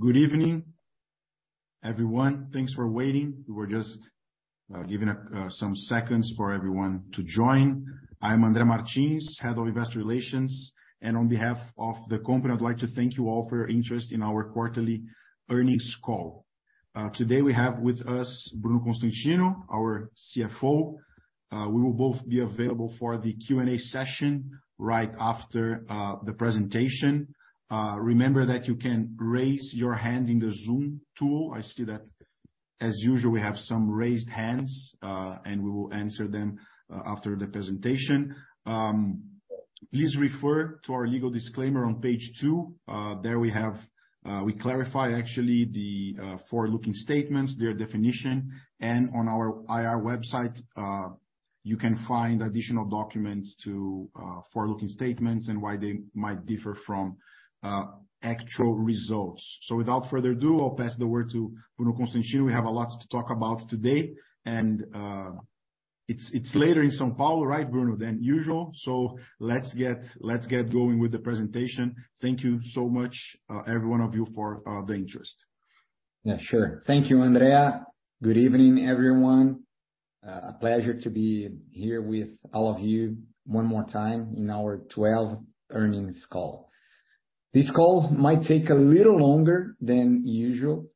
Good evening, everyone. Thanks for waiting. We were just giving some seconds for everyone to join. I'm Andre Parize, Head of Investor Relations, and on behalf of the company, I'd like to thank you all for your interest in our quarterly earnings call. Today we have with us Bruno Constantino, our CFO. We will both be available for the Q&A session right after the presentation. Remember that you can raise your hand in the Zoom tool. I see that, as usual, we have some raised hands, and we will answer them after the presentation. Please refer to our legal disclaimer on page two. There we clarify, actually, the forward-looking statements, their definition, and on our IR website, you can find additional documents to forward-looking statements and why they might differ from actual results. Without further ado, I'll pass the word to Bruno Constantino. We have a lot to talk about today, and it's later in São Paulo, right, Bruno, than usual. Let's get going with the presentation. Thank you so much, every one of you, for the interest. Sure. Thank you, Andre. Good evening, everyone. A pleasure to be here with all of you one more time in our 12th earnings call. This call might take a little longer than usual,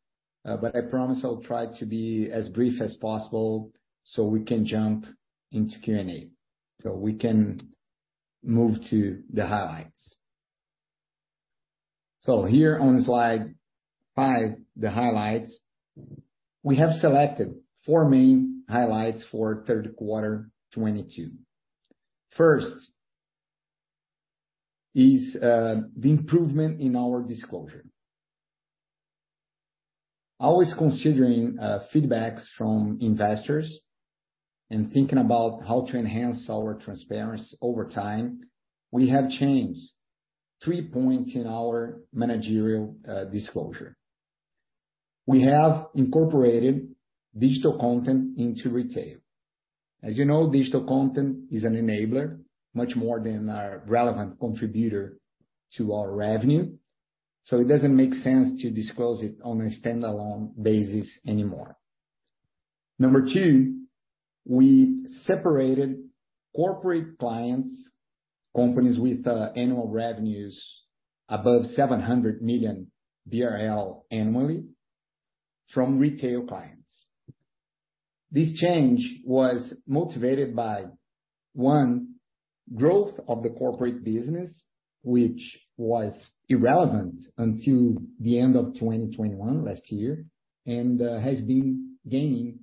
but I promise I'll try to be as brief as possible so we can jump into Q&A. We can move to the highlights. Here on slide five, the highlights. We have selected four main highlights for third quarter 2022. First is the improvement in our disclosure. Always considering feedbacks from investors and thinking about how to enhance our transparency over time, we have changed three points in our managerial disclosure. We have incorporated digital content into retail. As you know, digital content is an enabler much more than a relevant contributor to our revenue, so it doesn't make sense to disclose it on a standalone basis anymore. Number 2, we separated corporate clients, companies with annual revenues above 700 million BRL annually, from retail clients. This change was motivated by, 1, growth of the corporate business, which was irrelevant until the end of 2021, and has been gaining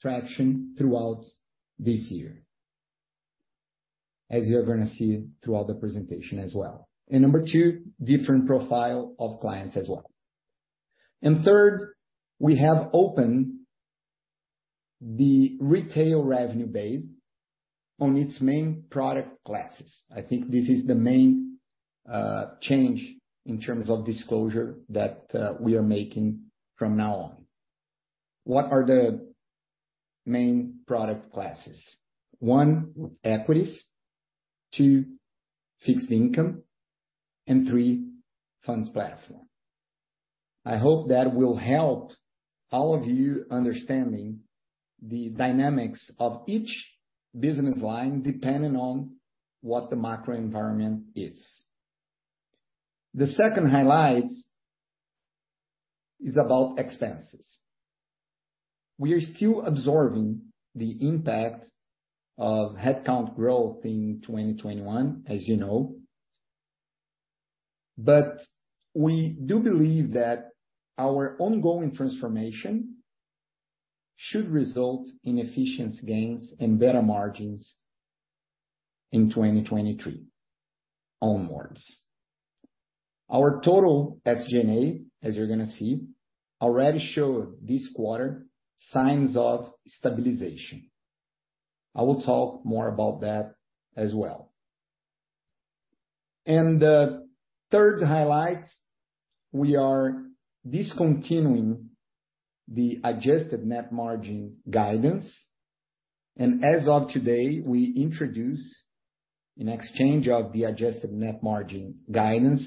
traction throughout this year, as you're going to see throughout the presentation as well. Number 2, different profile of clients as well. Third, we have opened the retail revenue base on its main product classes. I think this is the main change in terms of disclosure that we are making from now on. What are the main product classes? 1, equities, 2, fixed income, and 3, funds platform. I hope that will help all of you understanding the dynamics of each business line, depending on what the macro environment is. The second highlight is about expenses. We are still absorbing the impact of headcount growth in 2021, as you know. We do believe that our ongoing transformation should result in efficiency gains and better margins in 2023 onwards. Our total SG&A, as you're going to see, already showed this quarter signs of stabilization. I will talk more about that as well. Third highlight, we are discontinuing the adjusted net margin guidance. As of today, we introduce, in exchange of the adjusted net margin guidance,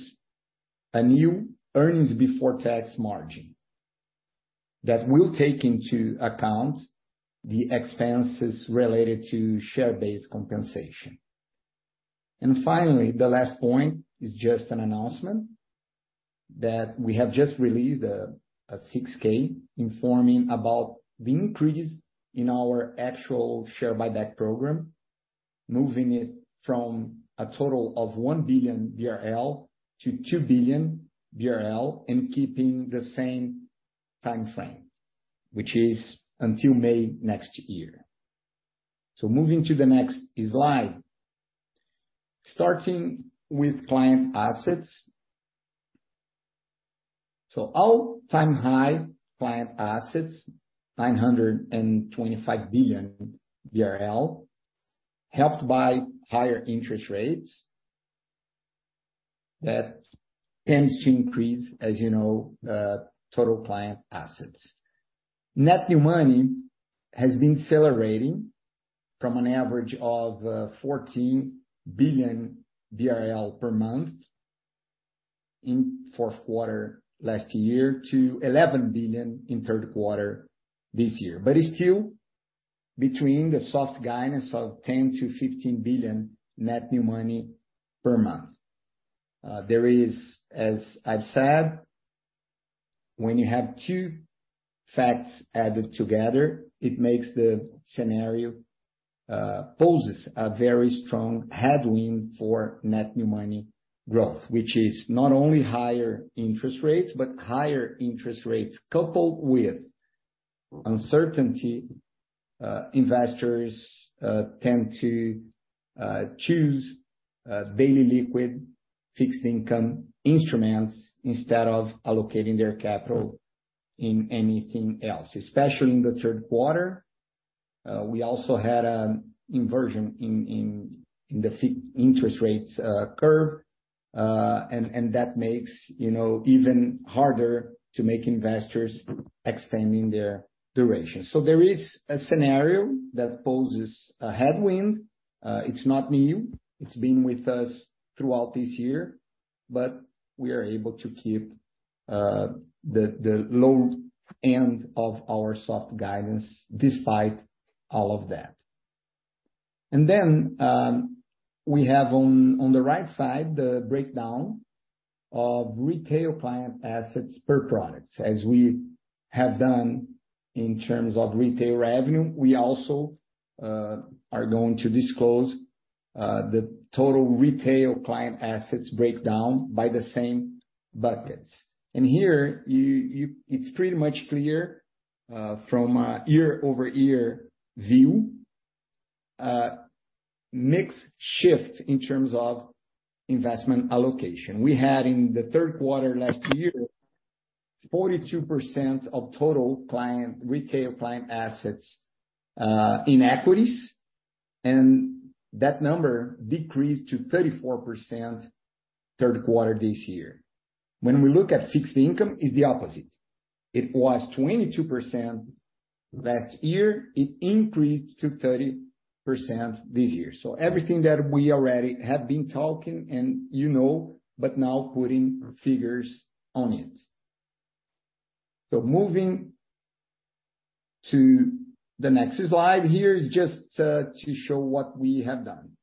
a new earnings before tax margin that will take into account the expenses related to share-based compensation. Finally, the last point is just an announcement that we have just released a 6-K informing about the increases in our actual share buyback program, moving it from a total of 1 billion BRL to 2 billion BRL and keeping the same timeframe. Which is until May next year. Moving to the next slide. Starting with client assets. All-time high client assets, 925 billion BRL, helped by higher interest rates. That tends to increase, as you know, the total client assets. Net new money has been accelerating from an average of 14 billion per month in fourth quarter last year to 11 billion in third quarter this year. It's still between the soft guidance of 10 billion to 15 billion net new money per month. There is, as I've said, when you have two facts added together, poses a very strong headwind for net new money growth, which is not only higher interest rates, but higher interest rates coupled with uncertainty. Investors tend to choose daily liquid fixed income instruments instead of allocating their capital in anything else. Especially in the third quarter, we also had an inversion in the interest rates curve. That makes even harder to make investors extending their duration. There is a scenario that poses a headwind. It's not new. It's been with us throughout this year, but we are able to keep the low end of our soft guidance despite all of that. Then we have on the right side, the breakdown of retail client assets per products. As we have done in terms of retail revenue, we also are going to disclose the total retail client assets breakdown by the same buckets. And here, it's pretty much clear from a year-over-year view, mix shift in terms of investment allocation. We had in the third quarter last year, 42% of total retail client assets in equities, and that number decreased to 34% third quarter this year. When we look at fixed income, it's the opposite. It was 22% last year. It increased to 30% this year. Everything that we already have been talking and you know, but now putting figures on it. Moving to the next slide here is just to show what we have done.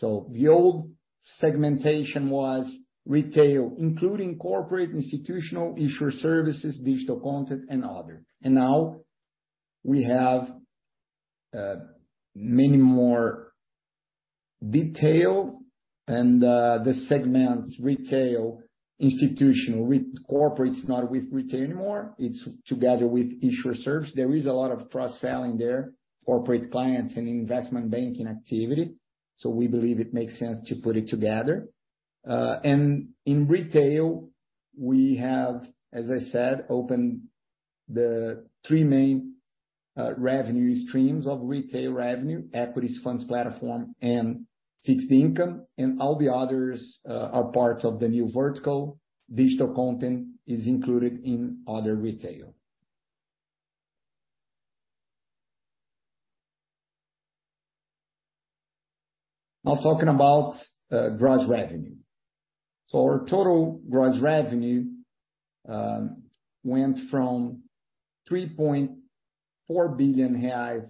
The old segmentation was retail, including corporate, institutional, issuer services, digital content, and other. Now we have many more details and the segment retail institutional. Corporate is not with retail anymore. It's together with issuer service. There is a lot of cross-selling there, corporate clients and investment banking activity. We believe it makes sense to put it together. In retail, we have, as I said, opened the three main revenue streams of retail revenue, equities, funds platform, and fixed income, and all the others are part of the new vertical. Digital content is included in other retail. Now talking about gross revenue. Our total gross revenue went from 3.4 billion reais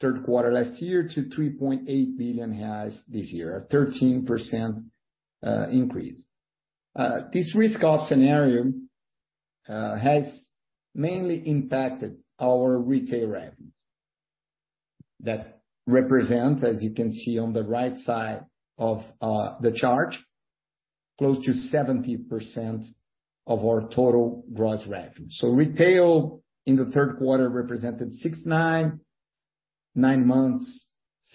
third quarter last year to 3.8 billion reais this year, a 13% increase. This risk-off scenario has mainly impacted our retail revenues. That represents, as you can see on the right side of the chart, close to 70% of our total gross revenue. Retail in the third quarter represented 69, 9 months,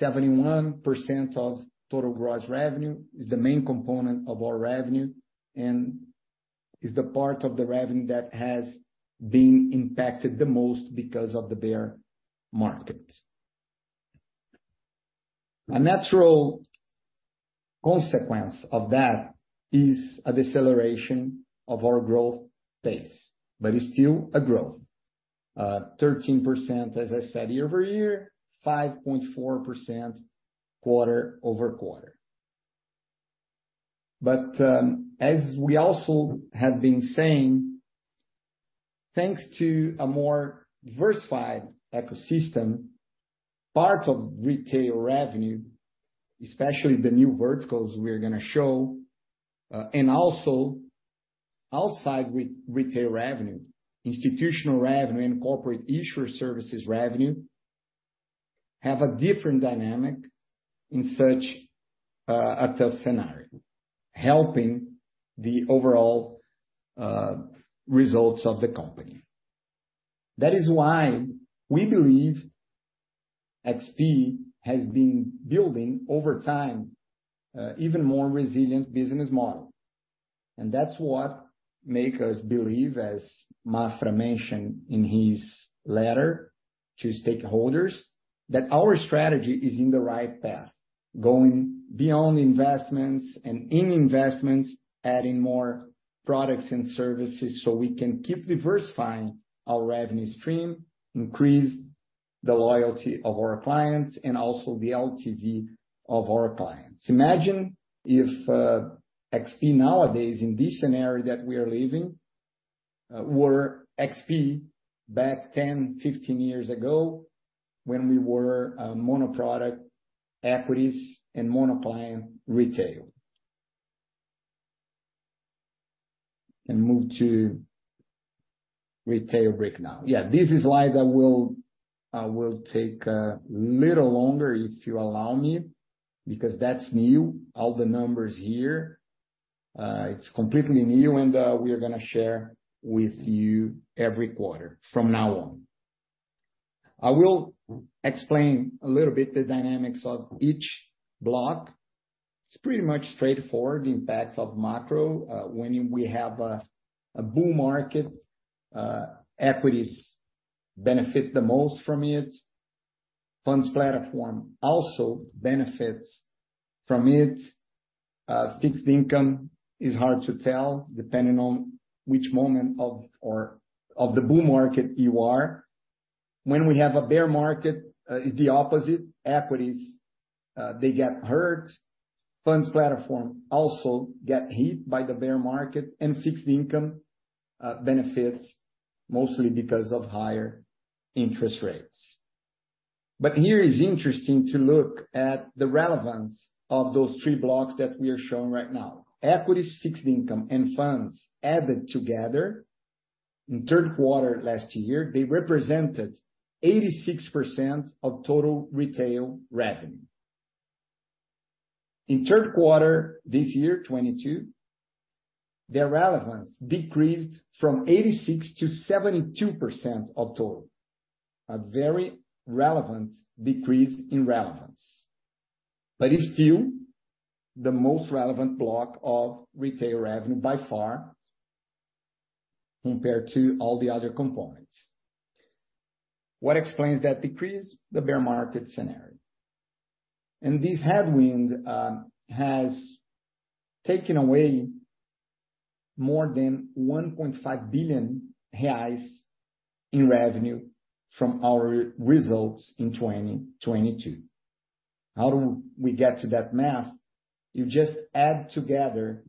71% of total gross revenue is the main component of our revenue and is the part of the revenue that has been impacted the most because of the bear market. A natural consequence of that is a deceleration of our growth pace, but it's still a growth. 13%, as I said, year-over-year, 5.4% quarter-over-quarter. As we also have been saying, thanks to a more diversified ecosystem, part of retail revenue, especially the new verticals we're going to show, and also outside with retail revenue, institutional revenue, and corporate issuer services revenue Have a different dynamic in such a tough scenario, helping the overall results of the company. That is why we believe XP has been building, over time, even more resilient business model. That's what make us believe, as Maffra mentioned in his letter to stakeholders, that our strategy is in the right path, going beyond investments and in investments, adding more products and services so we can keep diversifying our revenue stream, increase the loyalty of our clients, and also the LTV of our clients. Imagine if XP nowadays, in this scenario that we are living, were XP back 10, 15 years ago, when we were a mono product equities and mono client retail. Move to retail breakdown. This slide will take a little longer if you allow me, because that's new, all the numbers here. It's completely new and we are going to share with you every quarter from now on. I will explain a little bit the dynamics of each block. It's pretty much straightforward, the impact of macro. When we have a boom market, equities benefit the most from it. Funds platform also benefits from it. Fixed income is hard to tell, depending on which moment of the boom market you are. When we have a bear market, it's the opposite. Equities, they get hurt. Funds platform also get hit by the bear market. Fixed income benefits mostly because of higher interest rates. Here is interesting to look at the relevance of those three blocks that we are showing right now. Equities, fixed income, and funds added together in third quarter last year, they represented 86% of total retail revenue. In third quarter this year, 2022, their relevance decreased from 86% to 72% of total. A very relevant decrease in relevance. It's still the most relevant block of retail revenue by far compared to all the other components. What explains that decrease? The bear market scenario. This headwind has taken away more than 1.5 billion reais in revenue from our results in 2022. How do we get to that math? You just add together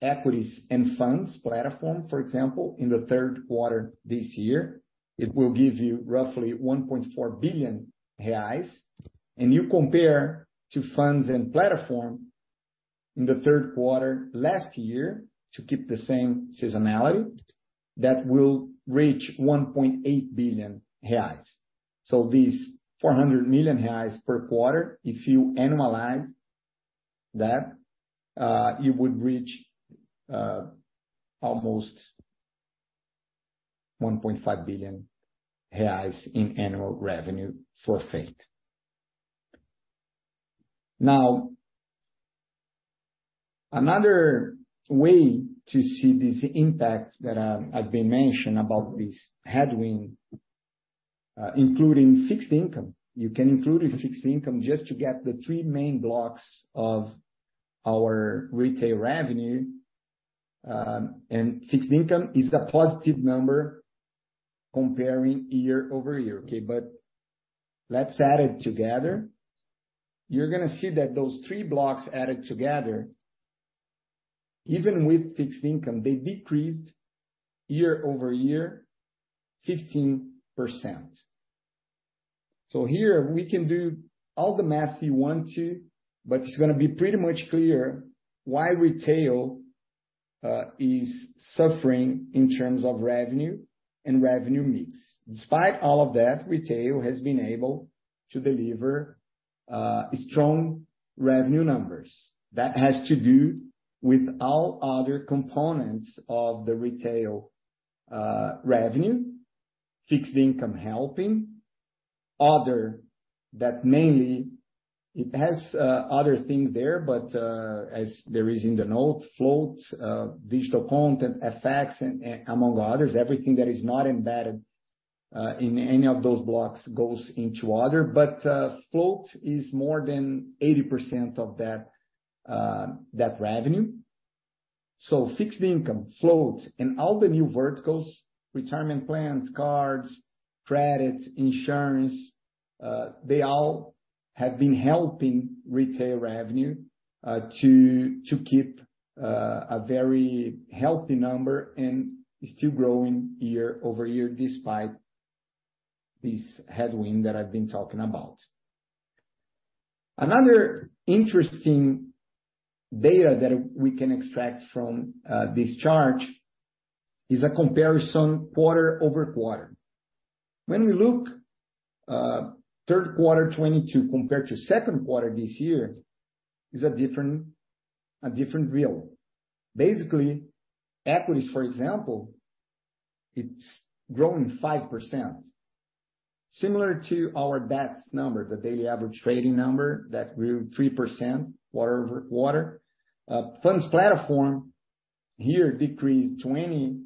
equities and funds platform. For example, in the third quarter this year, it will give you roughly 1.4 billion reais, and you compare to funds and platform in the third quarter last year to keep the same seasonality, that will reach 1.8 billion reais. This 400 million reais per quarter, if you annualize that, it would reach almost 1.5 billion reais in annual revenue for FAP. Now, another way to see this impact that have been mentioned about this headwind, including fixed income. You can include fixed income just to get the three main blocks of our retail revenue, and fixed income is a positive number comparing year-over-year. Let's add it together. You're going to see that those three blocks added together, even with fixed income, they decreased year-over-year 15%. Here we can do all the math you want to, but it's going to be pretty much clear why retail is suffering in terms of revenue and revenue mix. Despite all of that, retail has been able to deliver strong revenue numbers. That has to do with all other components of the retail revenue, fixed income helping. Other, that mainly it has other things there, but as there is in the note, floats, digital content, FX, among others. Everything that is not embedded in any of those blocks goes into other. Float is more than 80% of that revenue. Fixed income, float, and all the new verticals, retirement plans, cards, credit, insurance, they all have been helping retail revenue to keep a very healthy number and still growing year-over-year despite this headwind that I've been talking about. Another interesting data that we can extract from this chart is a comparison quarter-over-quarter. When we look third quarter 2022 compared to second quarter this year is a different view. Basically, equities, for example, it's growing 5%, similar to our DATS number, the daily average trading number that grew 3% quarter-over-quarter. Funds platform here decreased 29%,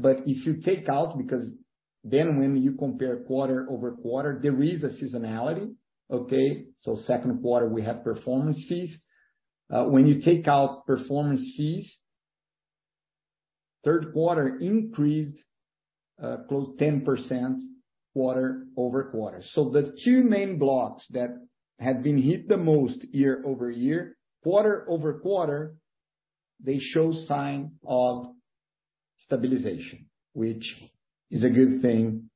but if you take out, because then when you compare quarter-over-quarter, there is a seasonality. Okay. Second quarter, we have performance fees. When you take out performance fees, third quarter increased close to 10% quarter-over-quarter. The two main blocks that have been hit the most year-over-year, quarter-over-quarter, they show sign of stabilization, which is a good thing,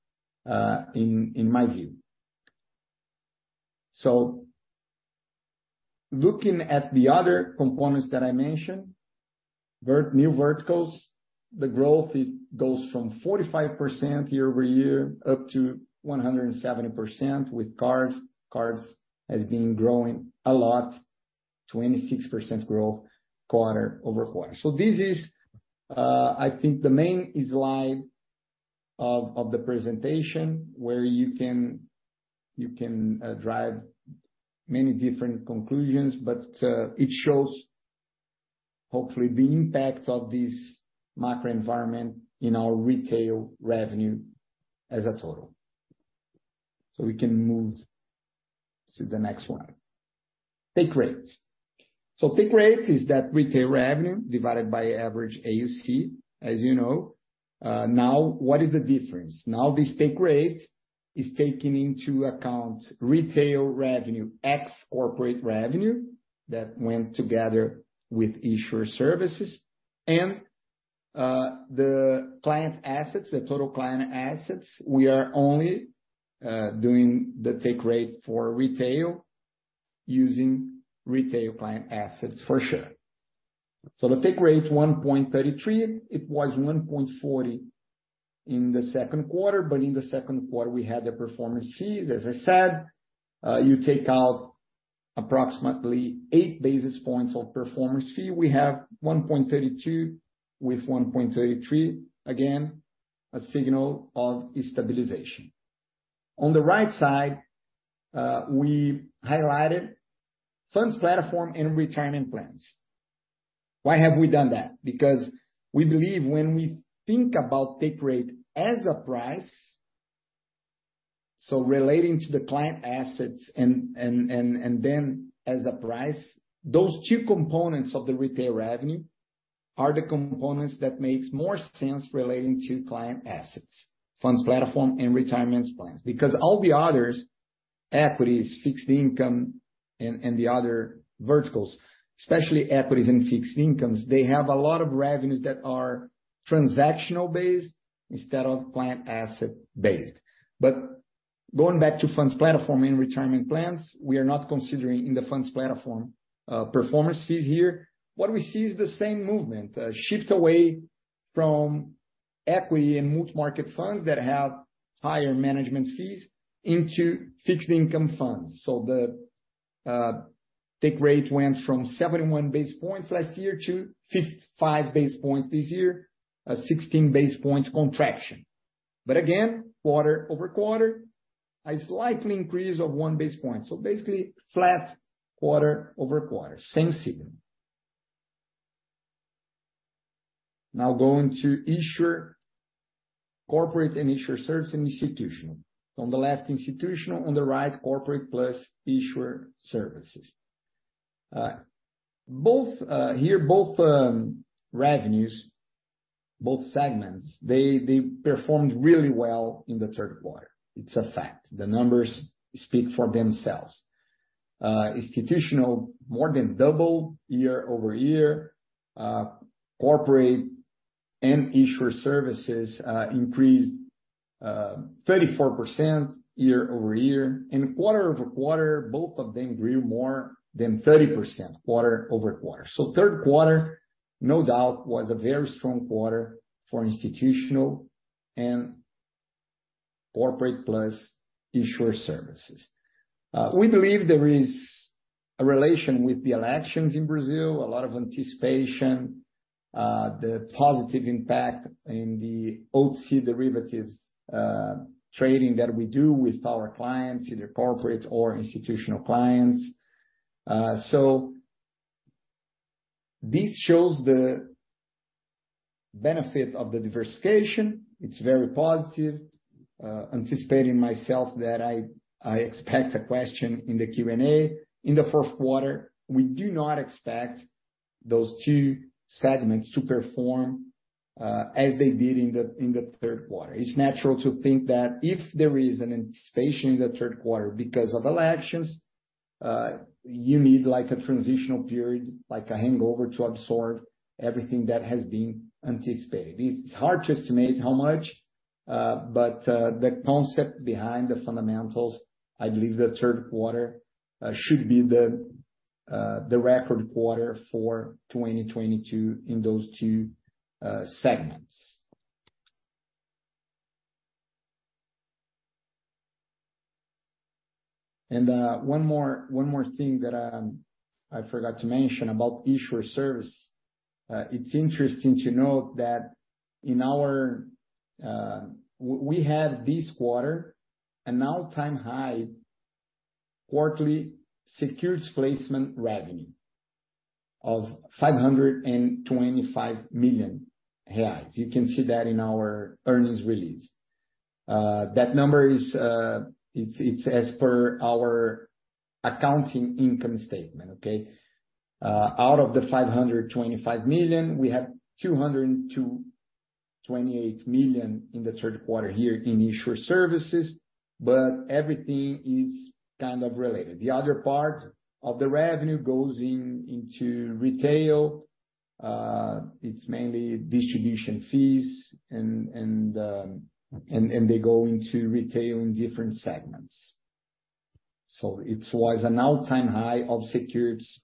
in my view. Looking at the other components that I mentioned, new verticals, the growth, it goes from 45% year-over-year up to 170% with cards. Cards has been growing a lot, 26% growth quarter-over-quarter. This is I think the main slide of the presentation where you can derive many different conclusions but it shows hopefully the impact of this macro environment in our retail revenue as a total. We can move to the next one. Take rate. Take rate is that retail revenue divided by average AUC, as you know. Now what is the difference? Now this take rate is taking into account retail revenue, ex-corporate revenue that went together with issuer services and the client assets, the total client assets. We are only doing the take rate for retail using retail client assets for sure. The take rate 1.33, it was 1.40 in the second quarter, in the second quarter we had the performance fees. As I said, you take out approximately 8 basis points of performance fee. We have 1.32 with 1.33. Again, a signal of stabilization. On the right side, we highlighted funds platform and retirement plans. We believe when we think about take rate as a price, relating to the client assets and then as a price, those two components of the retail revenue are the components that makes more sense relating to client assets, funds platform and retirement plans. All the others, equities, fixed income and the other verticals, especially equities and fixed income, they have a lot of revenues that are transactional based instead of client asset based. Going back to funds platform and retirement plans, we are not considering in the funds platform performance fees here. What we see is the same movement, shifts away from equity and multi-market funds that have higher management fees into fixed income funds. The take rate went from 71 basis points last year to 55 basis points this year, a 16 basis points contraction. Again, quarter-over-quarter, a slight increase of 1 basis point. Basically flat quarter-over-quarter, same signal. Going to issuer, corporate and issuer services and institutional. On the left, institutional, on the right corporate plus issuer services. Here both revenues, both segments, they performed really well in the third quarter. It's a fact. The numbers speak for themselves. Institutional more than doubled year-over-year. Corporate and issuer services increased 34% year-over-year and quarter-over-quarter both of them grew more than 30% quarter-over-quarter. Third quarter, no doubt was a very strong quarter for institutional and corporate plus issuer services. We believe there is a relation with the elections in Brazil, a lot of anticipation, the positive impact in the OTC derivatives trading that we do with our clients, either corporate or institutional clients. This shows the benefit of the diversification. It's very positive. Anticipating myself that I expect a question in the Q&A. In the fourth quarter we do not expect those two segments to perform as they did in the third quarter. It's natural to think that if there is an anticipation in the third quarter because of elections, you need a transitional period like a hangover to absorb everything that has been anticipated. It's hard to estimate how much. The concept behind the fundamentals, I believe the third quarter should be the record quarter for 2022 in those two segments. One more thing that I forgot to mention about issuer services. It's interesting to note that we had this quarter an all-time high quarterly securities placement revenue of 525 million reais. You can see that in our earnings release. That number is as per our accounting income statement, okay? Out of the 525 million, we had 228 million in the third quarter here in issuer services, everything is kind of related. The other part of the revenue goes into retail. It's mainly distribution fees and they go into retail in different segments. It was an all-time high of securities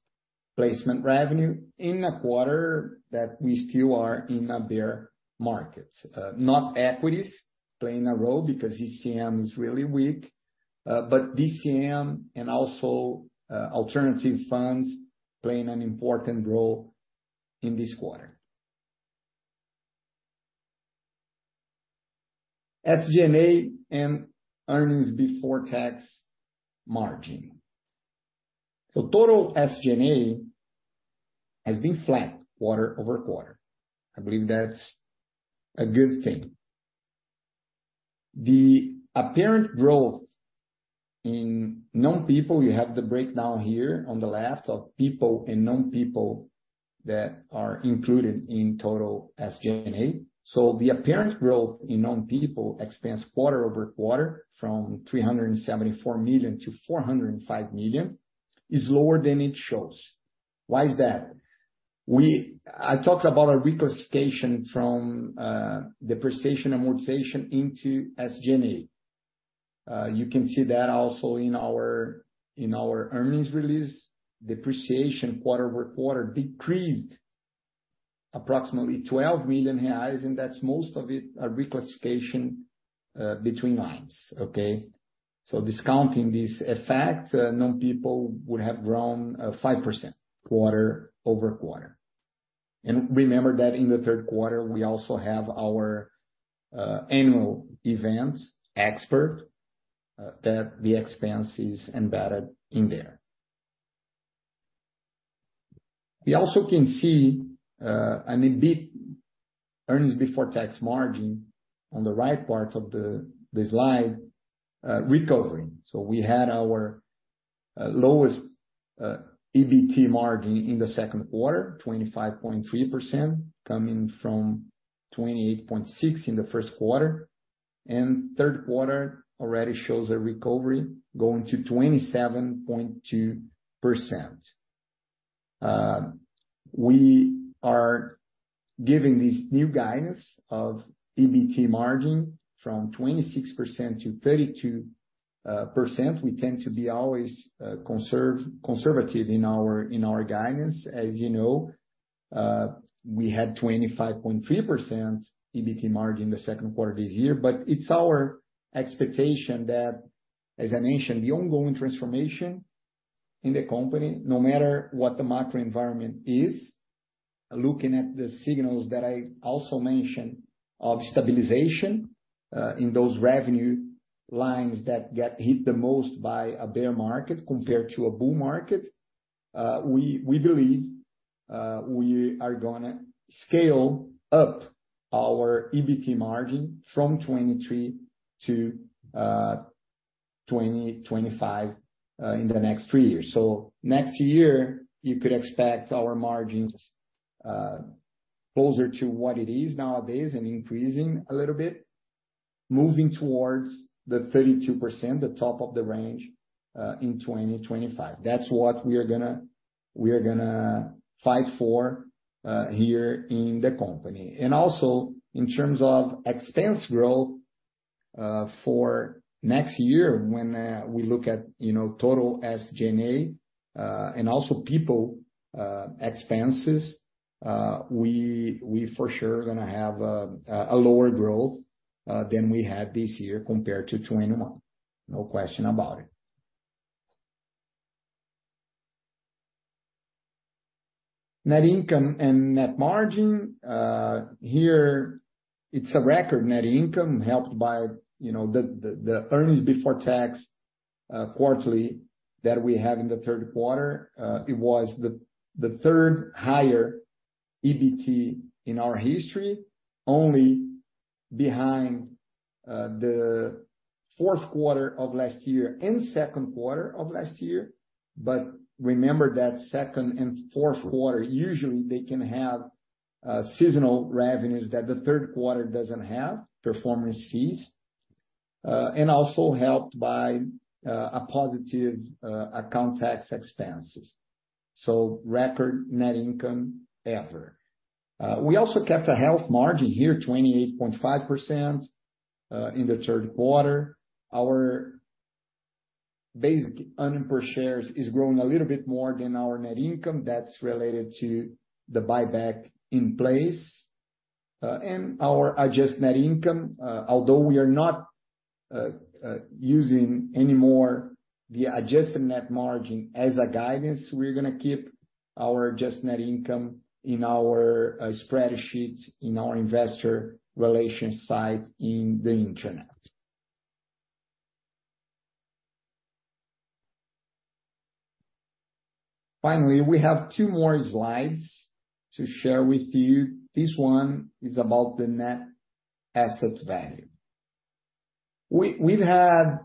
placement revenue in a quarter that we still are in a bear market. Not equities playing a role because DCM is really weak, but DCM and also alternative funds playing an important role in this quarter. SG&A and earnings before tax margin. Total SG&A has been flat quarter-over-quarter. I believe that's a good thing. The apparent growth in non-people, you have the breakdown here on the left of people and non-people that are included in total SG&A. The apparent growth in non-people expense quarter-over-quarter from 374 million to 405 million is lower than it shows. Why is that? I talked about a reclassification from depreciation amortization into SG&A. You can see that also in our earnings release. Depreciation quarter-over-quarter decreased approximately 12 million reais, and that's most of it a reclassification between lines. Okay? Discounting this effect, non-people would have grown 5% quarter-over-quarter. Remember that in the third quarter, we also have our annual event Expert, that the expense is embedded in there. We also can see an EBT margin on the right part of the slide recovering. We had our lowest EBT margin in the second quarter, 25.3%, coming from 28.6% in the first quarter. Third quarter already shows a recovery going to 27.2%. We are giving this new guidance of EBT margin from 26%-32%. We tend to be always conservative in our guidance, as you know. We had 25.3% EBT margin the second quarter this year. It's our expectation that, as I mentioned, the ongoing transformation in the company, no matter what the macro environment is, looking at the signals that I also mentioned of stabilization in those revenue lines that get hit the most by a bear market compared to a bull market. We believe we are going to scale up our EBT margin from 23%-25% in the next three years. Next year, you could expect our margins closer to what it is nowadays and increasing a little bit, moving towards the 32%, the top of the range, in 2025. That's what we are going to fight for here in the company. Also in terms of expense growth for next year, when we look at total SG&A and also people expenses, we for sure are going to have a lower growth than we had this year compared to 2021. No question about it. Net income and net margin. Here it's a record net income helped by the EBT quarterly that we have in the third quarter. It was the third-highest EBT in our history, only behind the fourth quarter of last year and second quarter of last year. Remember that second and fourth quarter, usually they can have seasonal revenues that the third quarter doesn't have, performance fees. Also helped by a positive account tax expenses. Record net income ever. We also kept a healthy margin here, 28.5% in the third quarter. Our basic earnings per share is growing a little bit more than our net income. That's related to the buyback in place. Our adjusted net income, although we are not using any more the adjusted net margin as a guidance, we're going to keep our adjusted net income in our spreadsheets, in our investor relations site in the internet. Finally, we have two more slides to share with you. This one is about the net asset value. We've had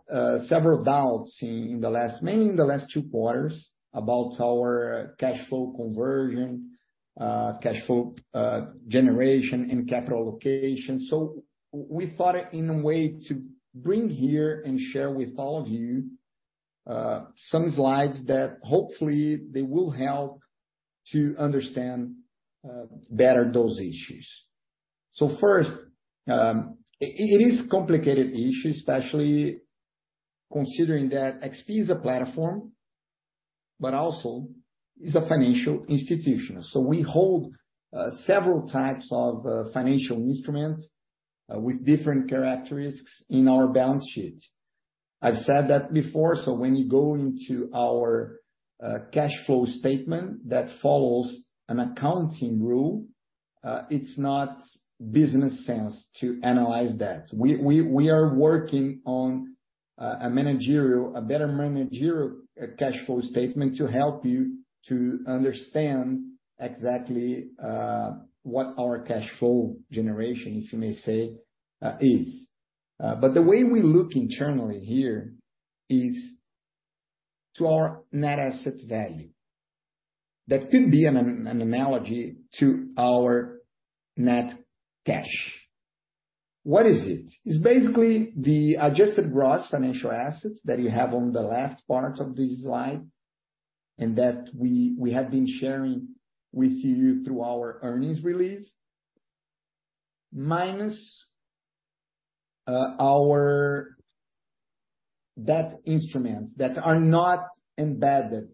several doubts, mainly in the last two quarters, about our cash flow conversion, cash flow generation, and capital allocation. We thought in a way to bring here and share with all of you some slides that hopefully they will help to understand better those issues. First, it is complicated issue, especially considering that XP is a platform but also is a financial institution. We hold several types of financial instruments with different characteristics in our balance sheet. I've said that before, when you go into our cash flow statement that follows an accounting rule, it's not business sense to analyze that. We are working on a better managerial cash flow statement to help you to understand exactly what our cash flow generation, if you may say, is. The way we look internally here is to our net asset value. That could be an analogy to our net cash. What is it? It's basically the adjusted gross financial assets that you have on the left part of this slide, and that we have been sharing with you through our earnings release, minus our debt instruments that are not embedded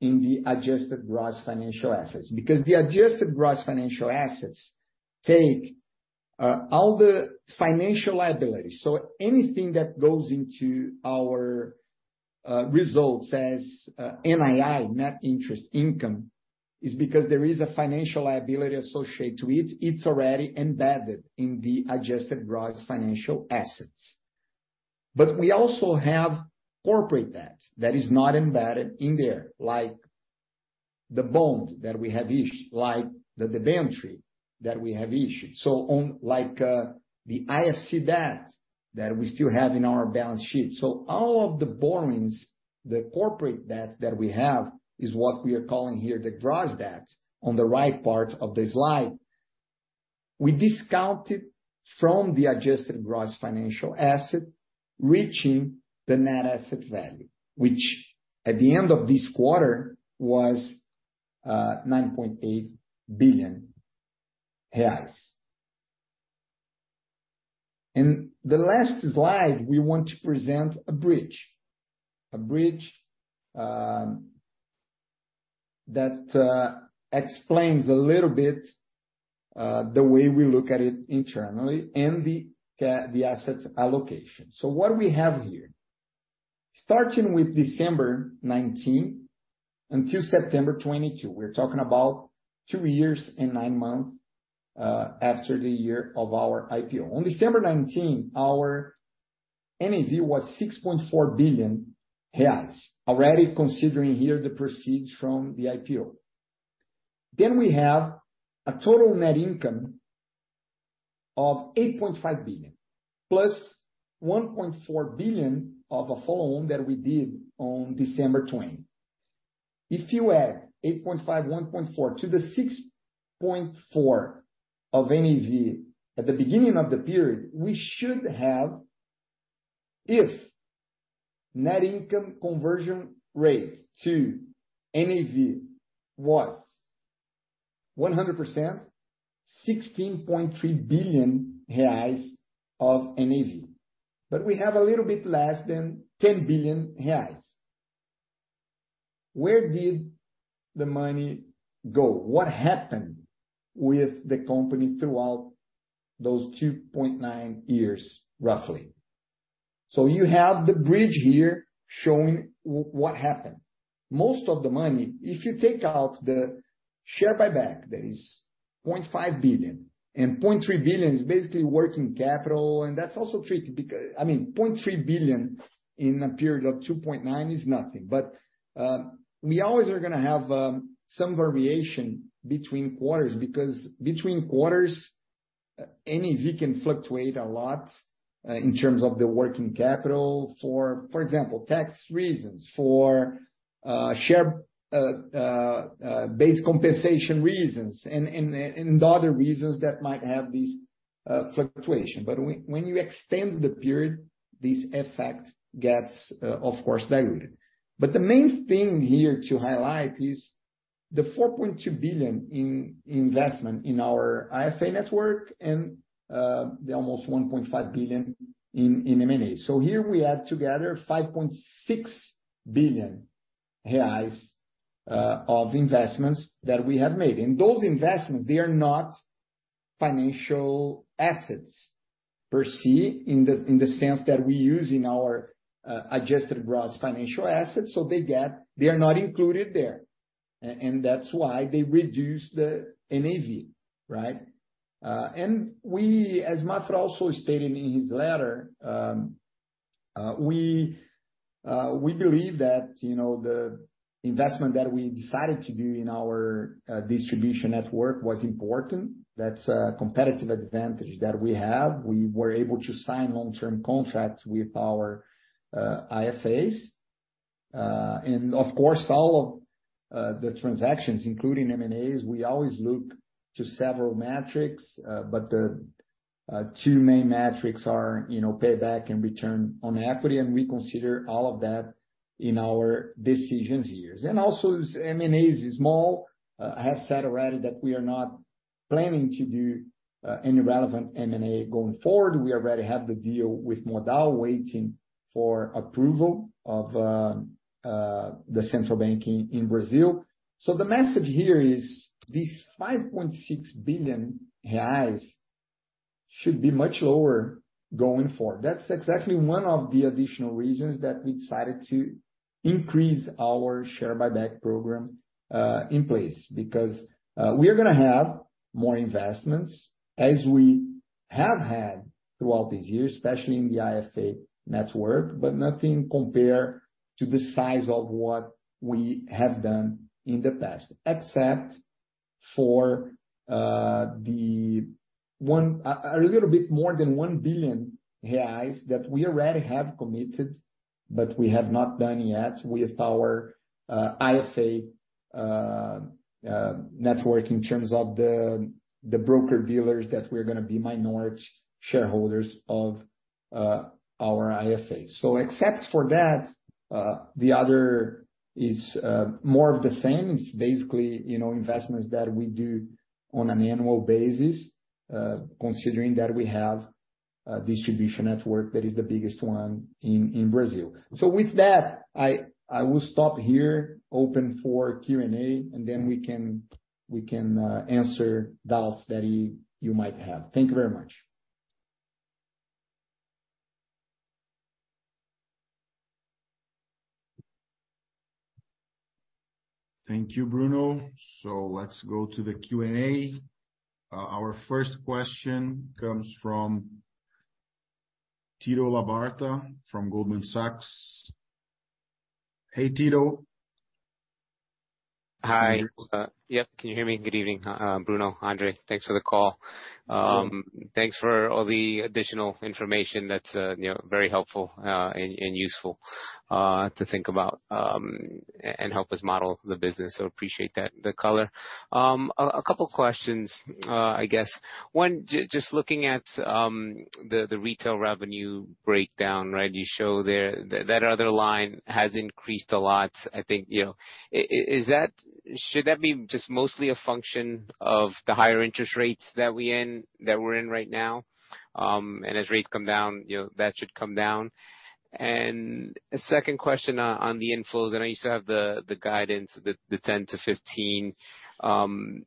in the adjusted gross financial assets. Because the adjusted gross financial assets take all the financial liability. Anything that goes into our results as NII, net interest income, is because there is a financial liability associated to it. It's already embedded in the adjusted gross financial assets. We also have corporate debt that is not embedded in there, like the bond that we have issued, like the debenture that we have issued. On the IFC debt that we still have in our balance sheet. All of the borrowings, the corporate debt that we have, is what we are calling here the gross debt on the right part of the slide. We discount it from the adjusted gross financial asset, reaching the net asset value, which at the end of this quarter was 9.8 billion reais. In the last slide, we want to present a bridge. A bridge that explains a little bit the way we look at it internally and the asset allocation. What we have here, starting with December 2019 until September 2022, we're talking about 2 years and 9 months, after the year of our IPO. On December 2019, our NAV was 6.4 billion reais, already considering here the proceeds from the IPO. We have a total net income of 8.5 billion, plus 1.4 billion of a follow on that we did on December 2020. If you add 8.5 billion, 1.4 billion to the 6.4 billion of NAV at the beginning of the period, we should have, if net income conversion rate to NAV was 100%, 16.3 billion reais of NAV. We have a little bit less than 10 billion reais. Where did the money go? What happened with the company throughout those 2.9 years, roughly? You have the bridge here showing what happened. Most of the money, if you take out the share buyback, that is 0.5 billion, 0.3 billion is basically working capital, that's also tricky because 0.3 billion in a period of 2.9 is nothing. We always are going to have some variation between quarters, because between quarters, NAV can fluctuate a lot in terms of the working capital. For example, tax reasons, for share-based compensation reasons, and other reasons that might have these fluctuation. When you extend the period, this effect gets, of course, diluted. The main thing here to highlight is the 4.2 billion in investment in our IFA network and the almost 1.5 billion in M&A. Here we add together 5.6 billion reais of investments that we have made. Those investments, they are not financial assets per se, in the sense that we use in our adjusted broad financial assets. They are not included there. That's why they reduce the NAV, right? We, as Maffra also stated in his letter, we believe that the investment that we decided to do in our distribution network was important. That's a competitive advantage that we have. We were able to sign long-term contracts with our IFAs. Of course, all of the transactions, including M&As, we always look to several metrics. The two main metrics are payback and return on equity. We consider all of that in our decisions here. Also, M&A is small. I have said already that we are not planning to do any relevant M&A going forward. We already have the deal with Modal waiting for approval of the Central Bank in Brazil. The message here is this 5.6 billion reais should be much lower going forward. That's exactly one of the additional reasons that we decided to increase our share buyback program in place. Because we are going to have more investments as we have had throughout these years, especially in the IFA network, but nothing compared to the size of what we have done in the past. Except for a little bit more than 1 billion reais that we already have committed, but we have not done yet with our IFA network in terms of the broker-dealers that we're going to be minority shareholders of our IFAs. Except for that, the other is more of the same. It's basically investments that we do on an annual basis, considering that we have a distribution network that is the biggest one in Brazil. With that, I will stop here, open for Q&A, and then we can answer doubts that you might have. Thank you very much. Thank you, Bruno. Let's go to the Q&A. Our first question comes from Tito Labarta from Goldman Sachs. Hey, Tito. Hi. Can you hear me? Yep. Can you hear me? Good evening, Bruno, Andre. Thanks for the call. Thanks for all the additional information. That's very helpful and useful to think about, and help us model the business, appreciate the color. A couple of questions, I guess. One, just looking at the retail revenue breakdown, right? You show that other line has increased a lot, I think. Should that be just mostly a function of the higher interest rates that we're in right now? As rates come down, that should come down? A second question on the inflows, I know you still have the guidance, the 10 to 15. We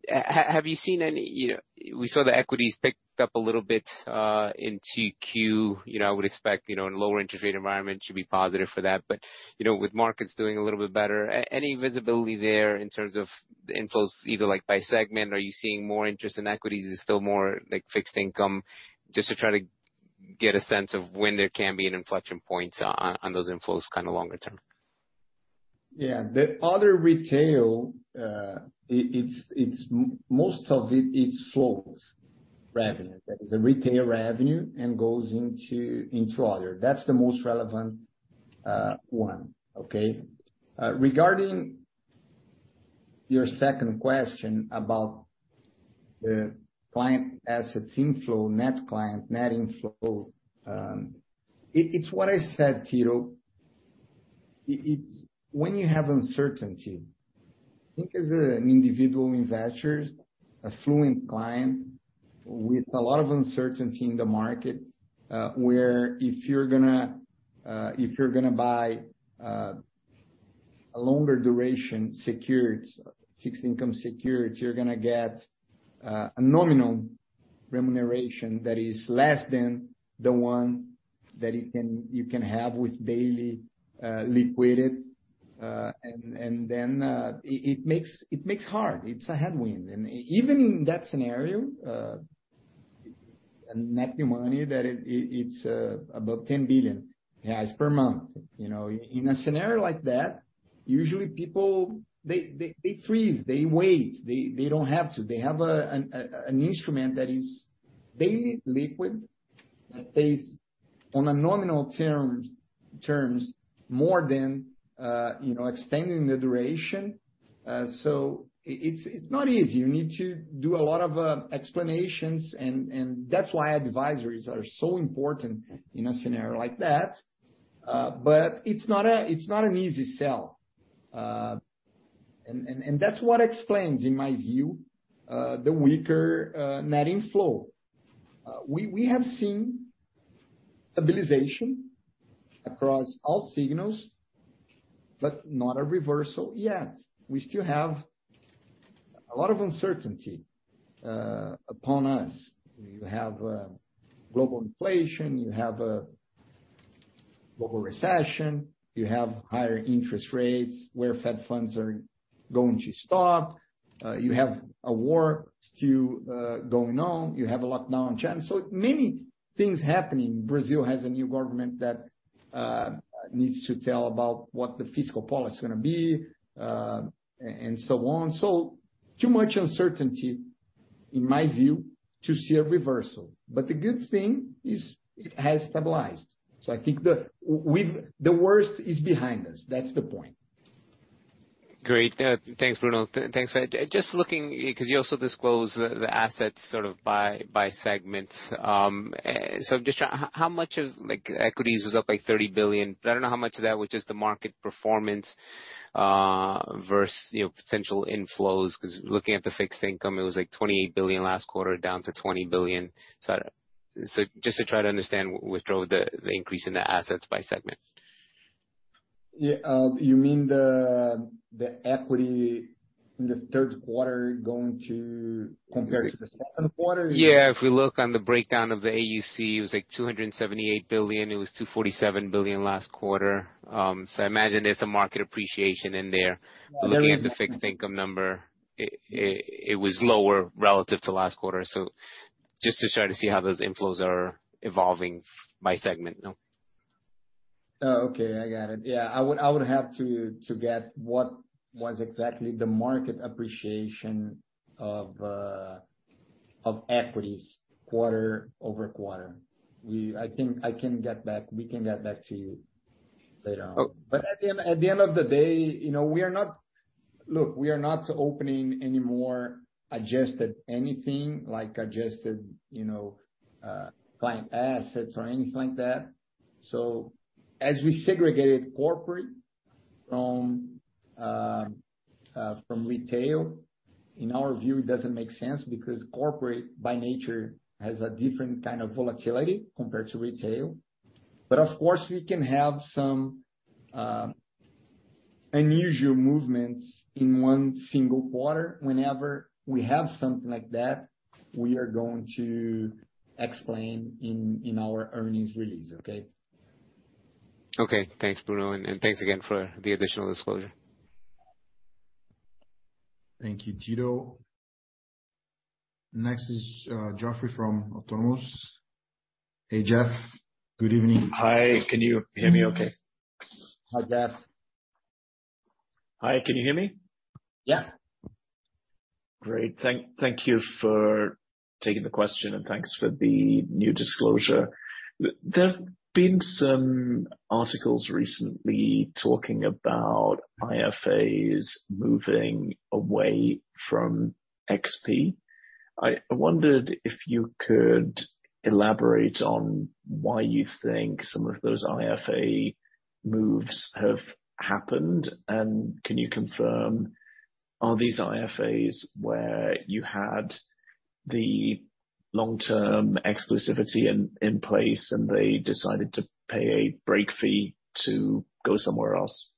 saw the equities picked up a little bit in 2Q. I would expect in a lower interest rate environment should be positive for that. With markets doing a little bit better, any visibility there in terms of the inflows, either by segment? Are you seeing more interest in equities? Is it still more fixed income? Just to try to get a sense of when there can be an inflection point on those inflows longer term. Yeah. The other retail, most of it is flows revenue. That is a retail revenue and goes into other. That's the most relevant one. Okay? Regarding your second question about the client assets inflow, net client, net inflow. It's what I said, Tito. When you have uncertainty, think as an individual investor, affluent client with a lot of uncertainty in the market, where if you're going to buy a longer duration secured, fixed income secured, you're going to get a nominal remuneration that is less than the one that you can have with daily liquid. It makes hard. It's a headwind. Even in that scenario, net new money that it's above 10 billion reais per month. In a scenario like that, usually people, they freeze. They wait. They don't have to. They have an instrument that is daily liquid That pays on a nominal terms more than extending the duration. It's not easy. You need to do a lot of explanations, and that's why advisories are so important in a scenario like that. It's not an easy sell. That's what explains, in my view, the weaker net inflow. We have seen stabilization across all signals, but not a reversal yet. We still have a lot of uncertainty upon us. You have global inflation, you have a global recession, you have higher interest rates where Fed funds are going to stop. You have a war still going on. You have a lockdown in China. Many things happening. Brazil has a new government that needs to tell about what the fiscal policy is going to be, and so on. Too much uncertainty, in my view, to see a reversal. The good thing is it has stabilized. I think the worst is behind us. That's the point. Great. Thanks, Bruno. You also disclose the assets sort of by segments. I'm just trying, how much of equities was up, like 30 billion? I don't know how much of that was just the market performance versus potential inflows. Looking at the fixed income, it was like 28 billion last quarter down to 20 billion. Just to try to understand what drove the increase in the assets by segment. Yeah. You mean the equity in the third quarter compared to the second quarter? Yeah. If we look on the breakdown of the AUC, it was like 278 billion. It was 247 billion last quarter. I imagine there's some market appreciation in there. Yeah. Looking at the fixed income number, it was lower relative to last quarter. Just to try to see how those inflows are evolving by segment now. Okay. I got it. Yeah. I would have to get what was exactly the market appreciation of equities quarter-over-quarter. We can get back to you later on. Oh. At the end of the day, look, we are not opening any more adjusted anything, like adjusted client assets or anything like that. As we segregated corporate from retail, in our view, it doesn't make sense because corporate, by nature, has a different kind of volatility compared to retail. Of course, we can have some unusual movements in one single quarter. Whenever we have something like that, we are going to explain in our earnings release. Okay. Okay. Thanks, Bruno, thanks again for the additional disclosure. Thank you, Tito. Next is Geoffrey from Autonomous. Hey, Geoff. Good evening. Hi. Can you hear me okay? Hi, Geoffrey. Hi. Can you hear me? Yeah. Great. Thank you for taking the question, and thanks for the new disclosure. There have been some articles recently talking about IFAs moving away from XP. I wondered if you could elaborate on why you think some of those IFA moves have happened, and can you confirm, are these IFAs where you had the long-term exclusivity in place and they decided to pay a break fee to go somewhere else?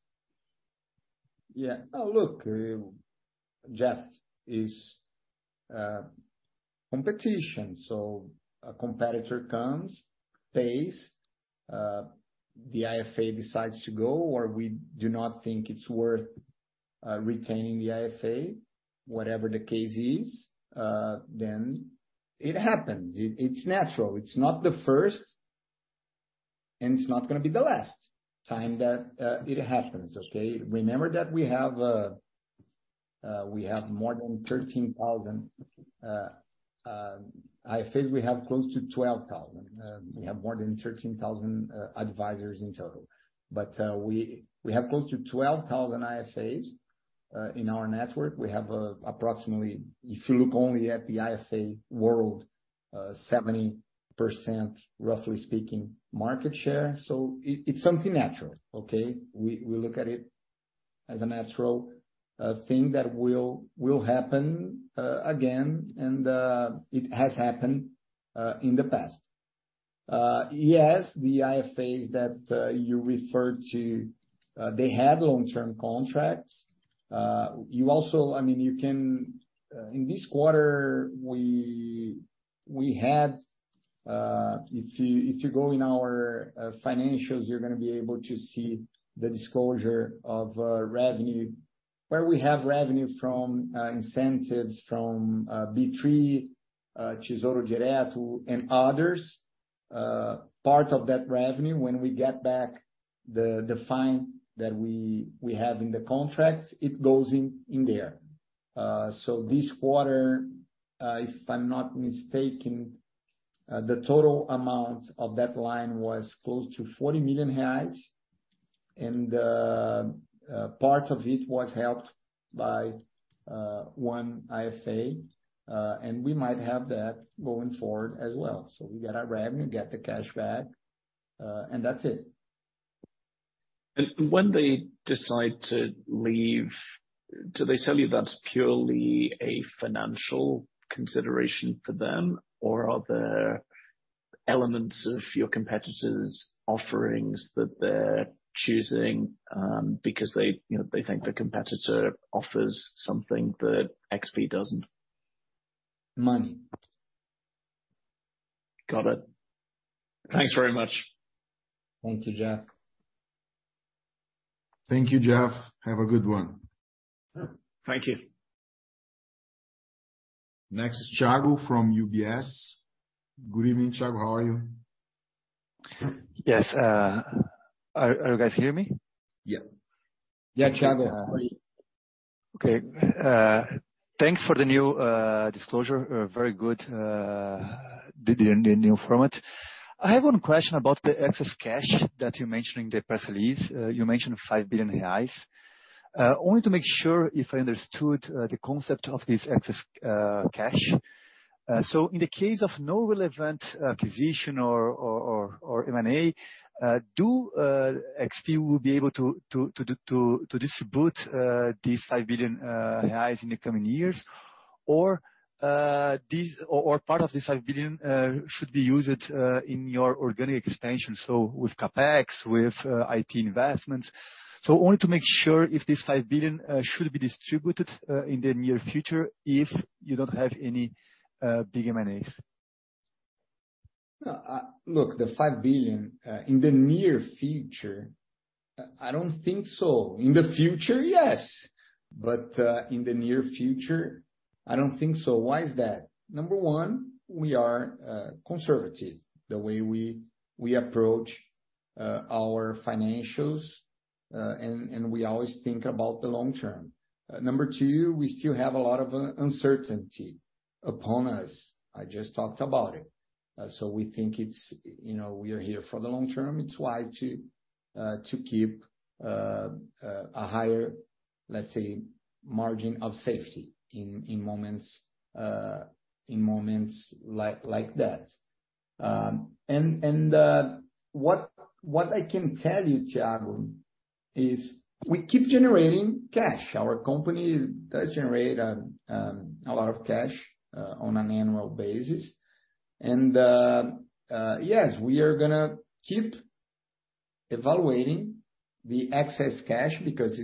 Yeah. Oh, look, Jeffrey, it's competition. A competitor comes, pays, the IFA decides to go, or we do not think it's worth retaining the IFA, whatever the case is, then it happens. It's natural. It's not the first, and it's not going to be the last time that it happens. Okay. Remember that we have more than 13,000 IFAs, we have close to 12,000. We have more than 13,000 advisors in total. We have close to 12,000 IFAs in our network. We have approximately, if you look only at the IFA world, 70%, roughly speaking, market share. It's something natural. Okay. We look at it as a natural thing that will happen again, and it has happened in the past. Yes, the IFAs that you referred to, they had long-term contracts. In this quarter, if you go in our financials, you're going to be able to see the disclosure of revenue, where we have revenue from incentives from B3, CERC, Gereto, and others. Part of that revenue, when we get back the fine that we have in the contracts, it goes in there. This quarter, if I'm not mistaken, the total amount of that line was close to 40 million reais, and part of it was helped by one IFA, and we might have that going forward as well. We get our revenue, get the cash back, and that's it. When they decide to leave, do they tell you that's purely a financial consideration for them, or are there elements of your competitors' offerings that they're choosing because they think the competitor offers something that XP doesn't? Money. Got it. Thanks very much. Thank you, Jeff. Thank you, Jeff. Have a good one. Thank you. Next is Thiago from UBS. Good evening, Thiago. How are you? Yes. Are you guys hearing me? Yeah. Yeah, Thiago. How are you? Okay. Thanks for the new disclosure. Very good the new format. I have one question about the excess cash that you mentioned in the press release. You mentioned 5 billion reais. Only to make sure if I understood the concept of this excess cash. In the case of no relevant acquisition or M&A, do XP will be able to distribute these 5 billion reais in the coming years, or part of this 5 billion should be used in your organic expansion, with CapEx, with IT investments. Only to make sure if this 5 billion should be distributed in the near future if you don't have any big M&As. Look, the 5 billion, in the near future, I don't think so. In the future, yes. In the near future, I don't think so. Why is that? Number one, we are conservative the way we approach our financials, and we always think about the long term. Number two, we still have a lot of uncertainty upon us. I just talked about it. We think we are here for the long term. It's wise to keep a higher, let's say, margin of safety in moments like that. What I can tell you, Thiago, is we keep generating cash. Our company does generate a lot of cash on an annual basis. Yes, we are going to keep evaluating the excess cash because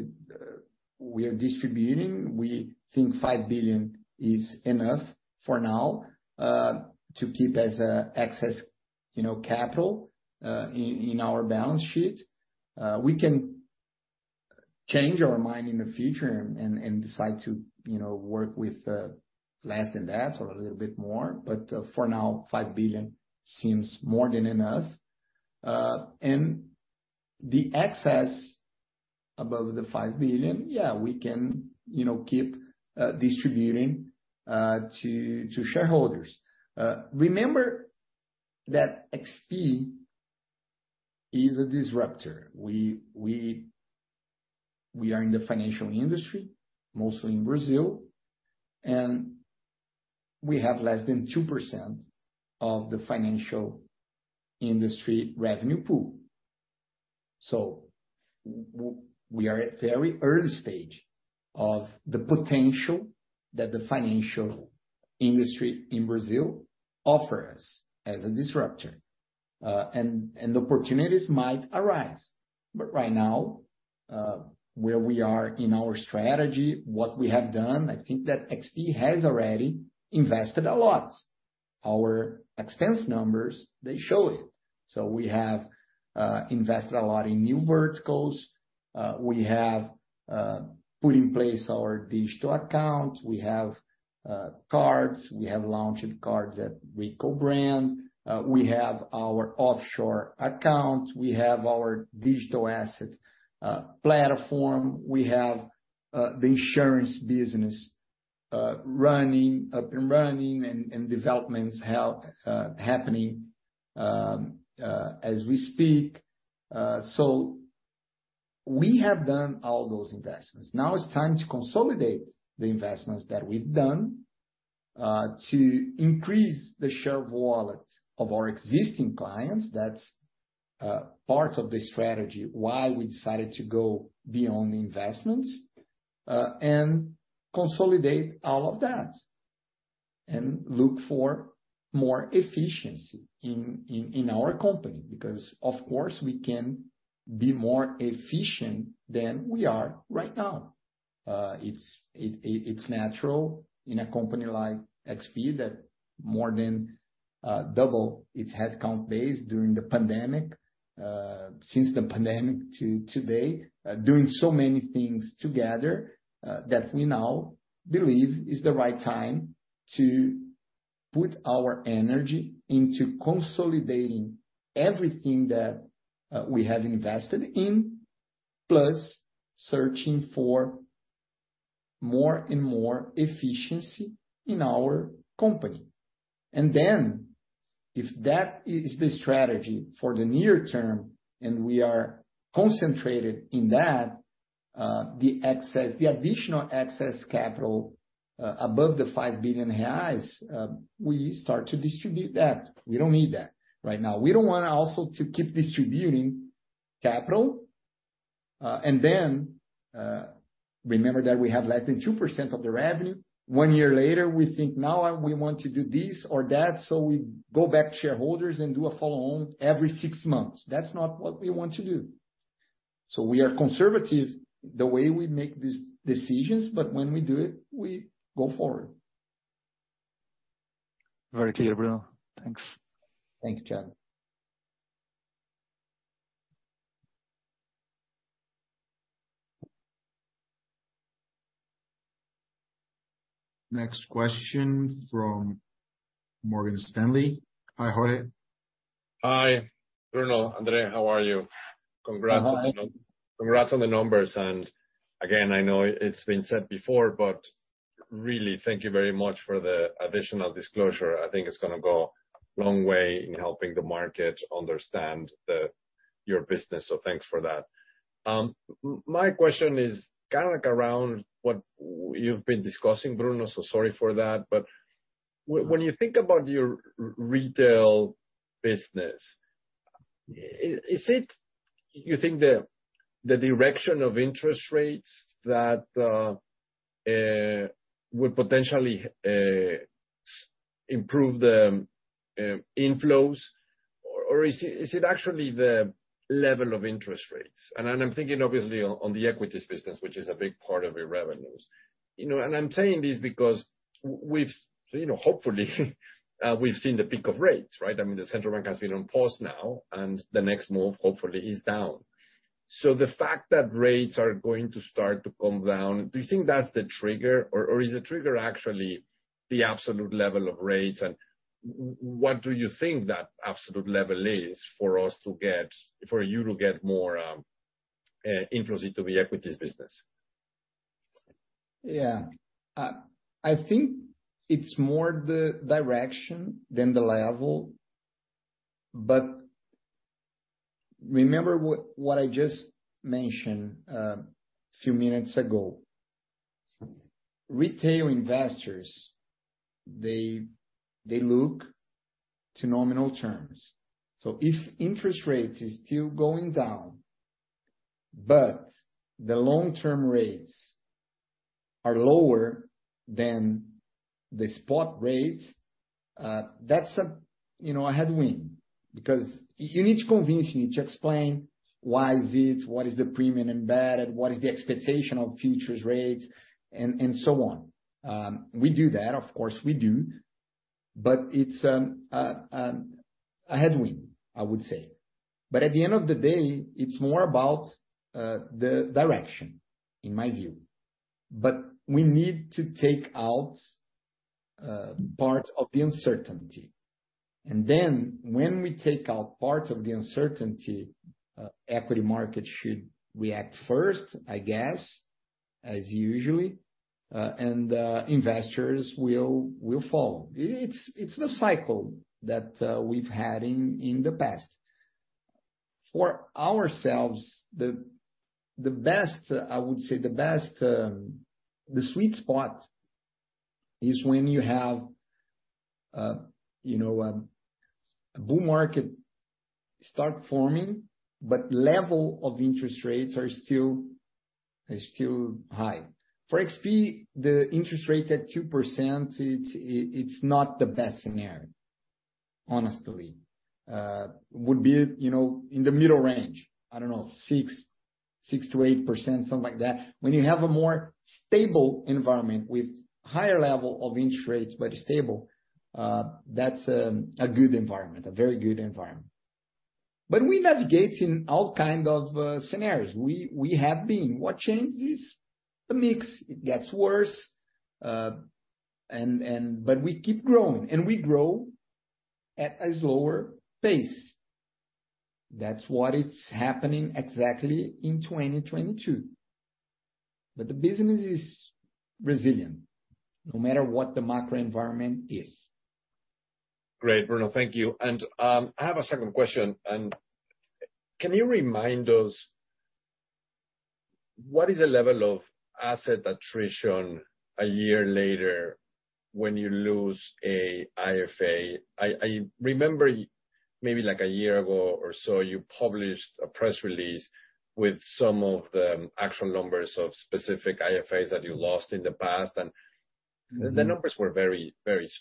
we are distributing. We think 5 billion is enough for now to keep as excess capital in our balance sheet. We can change our mind in the future and decide to work with less than that or a little bit more. For now, 5 billion seems more than enough. The excess above the 5 billion, yeah, we can keep distributing to shareholders. Remember that XP is a disruptor. We are in the financial industry, mostly in Brazil, and we have less than 2% of the financial industry revenue pool. We are at very early stage of the potential that the financial industry in Brazil offer us as a disruptor, and opportunities might arise. Right now, where we are in our strategy, what we have done, I think that XP has already invested a lot. Our expense numbers, they show it. We have invested a lot in new verticals. We have put in place our digital account. We have cards. We have launched cards that we co-brand. We have our offshore account. We have our digital asset platform. We have the insurance business up and running and developments happening as we speak. We have done all those investments. Now it's time to consolidate the investments that we've done to increase the share of wallet of our existing clients. That's part of the strategy, why we decided to go beyond investments, and consolidate all of that and look for more efficiency in our company. Of course, we can be more efficient than we are right now. It's natural in a company like XP that more than double its headcount base during the pandemic, since the pandemic to today, doing so many things together, that we now believe is the right time to put our energy into consolidating everything that we have invested in, plus searching for more and more efficiency in our company. If that is the strategy for the near term, and we are concentrated in that, the additional excess capital above the 5 billion reais, we start to distribute that. We don't need that right now. We don't want to also to keep distributing capital, remember that we have less than 2% of the revenue. One year later, we think now we want to do this or that, we go back to shareholders and do a follow on every six months. That's not what we want to do. We are conservative the way we make these decisions, but when we do it, we go forward. Very clear, Bruno. Thanks. Thank you, Thiago. Next question from Morgan Stanley. Hi, Jorge. Hi, Bruno, Andre. How are you? I'm fine Congrats on the numbers. Again, I know it's been said before, really, thank you very much for the additional disclosure. I think it's going to go a long way in helping the market understand your business. Thanks for that. My question is around what you've been discussing, Bruno, sorry for that. When you think about your retail business, is it you think the direction of interest rates that will potentially improve the inflows? Or is it actually the level of interest rates? I'm thinking obviously on the equities business, which is a big part of your revenues. I'm saying this because hopefully we've seen the peak of rates, right? I mean, the central bank has been on pause now, and the next move, hopefully, is down. The fact that rates are going to start to come down, do you think that's the trigger? Is the trigger actually the absolute level of rates? What do you think that absolute level is for you to get more inflows into the equities business? Yeah. I think it's more the direction than the level. Remember what I just mentioned a few minutes ago. Retail investors, they look to nominal terms. If interest rates is still going down, but the long-term rates are lower than the spot rates, that's a headwind. You need to convince, you need to explain why is it, what is the premium embedded, what is the expectation of futures rates, and so on. We do that, of course, we do. It's a headwind, I would say. At the end of the day, it's more about the direction, in my view. We need to take out part of the uncertainty. When we take out part of the uncertainty, equity market should react first, I guess, as usually. Investors will follow. It's the cycle that we've had in the past. For ourselves, I would say the best, the sweet spot is when you have a boom market start forming, level of interest rates are still high. For XP, the interest rate at 2%, it's not the best scenario, honestly. Would be in the middle range, I don't know, 6%-8%, something like that. When you have a more stable environment with higher level of interest rates, but stable, that's a good environment, a very good environment. We navigate in all kind of scenarios. We have been. What changes? The mix, it gets worse, we keep growing, and we grow at a slower pace. That's what it's happening exactly in 2022. The business is resilient, no matter what the macro environment is. Great, Bruno. Thank you. I have a second question. Can you remind us what is the level of asset attrition one year later when you lose an IFA? I remember maybe like one year ago or so, you published a press release with some of the actual numbers of specific IFAs that you lost in the past, the numbers were very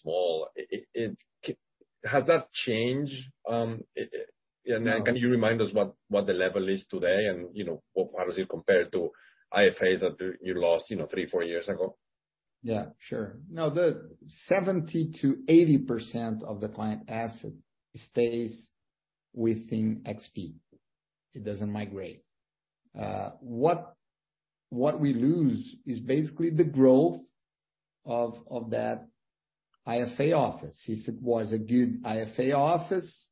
small. Has that changed? No. Can you remind us what the level is today and how does it compare to IFAs that you lost three, four years ago? Yeah, sure. No, the 70%-80% of the client asset stays within XP. It doesn't migrate. What we lose is basically the growth of that IFA office. If it was a good IFA office,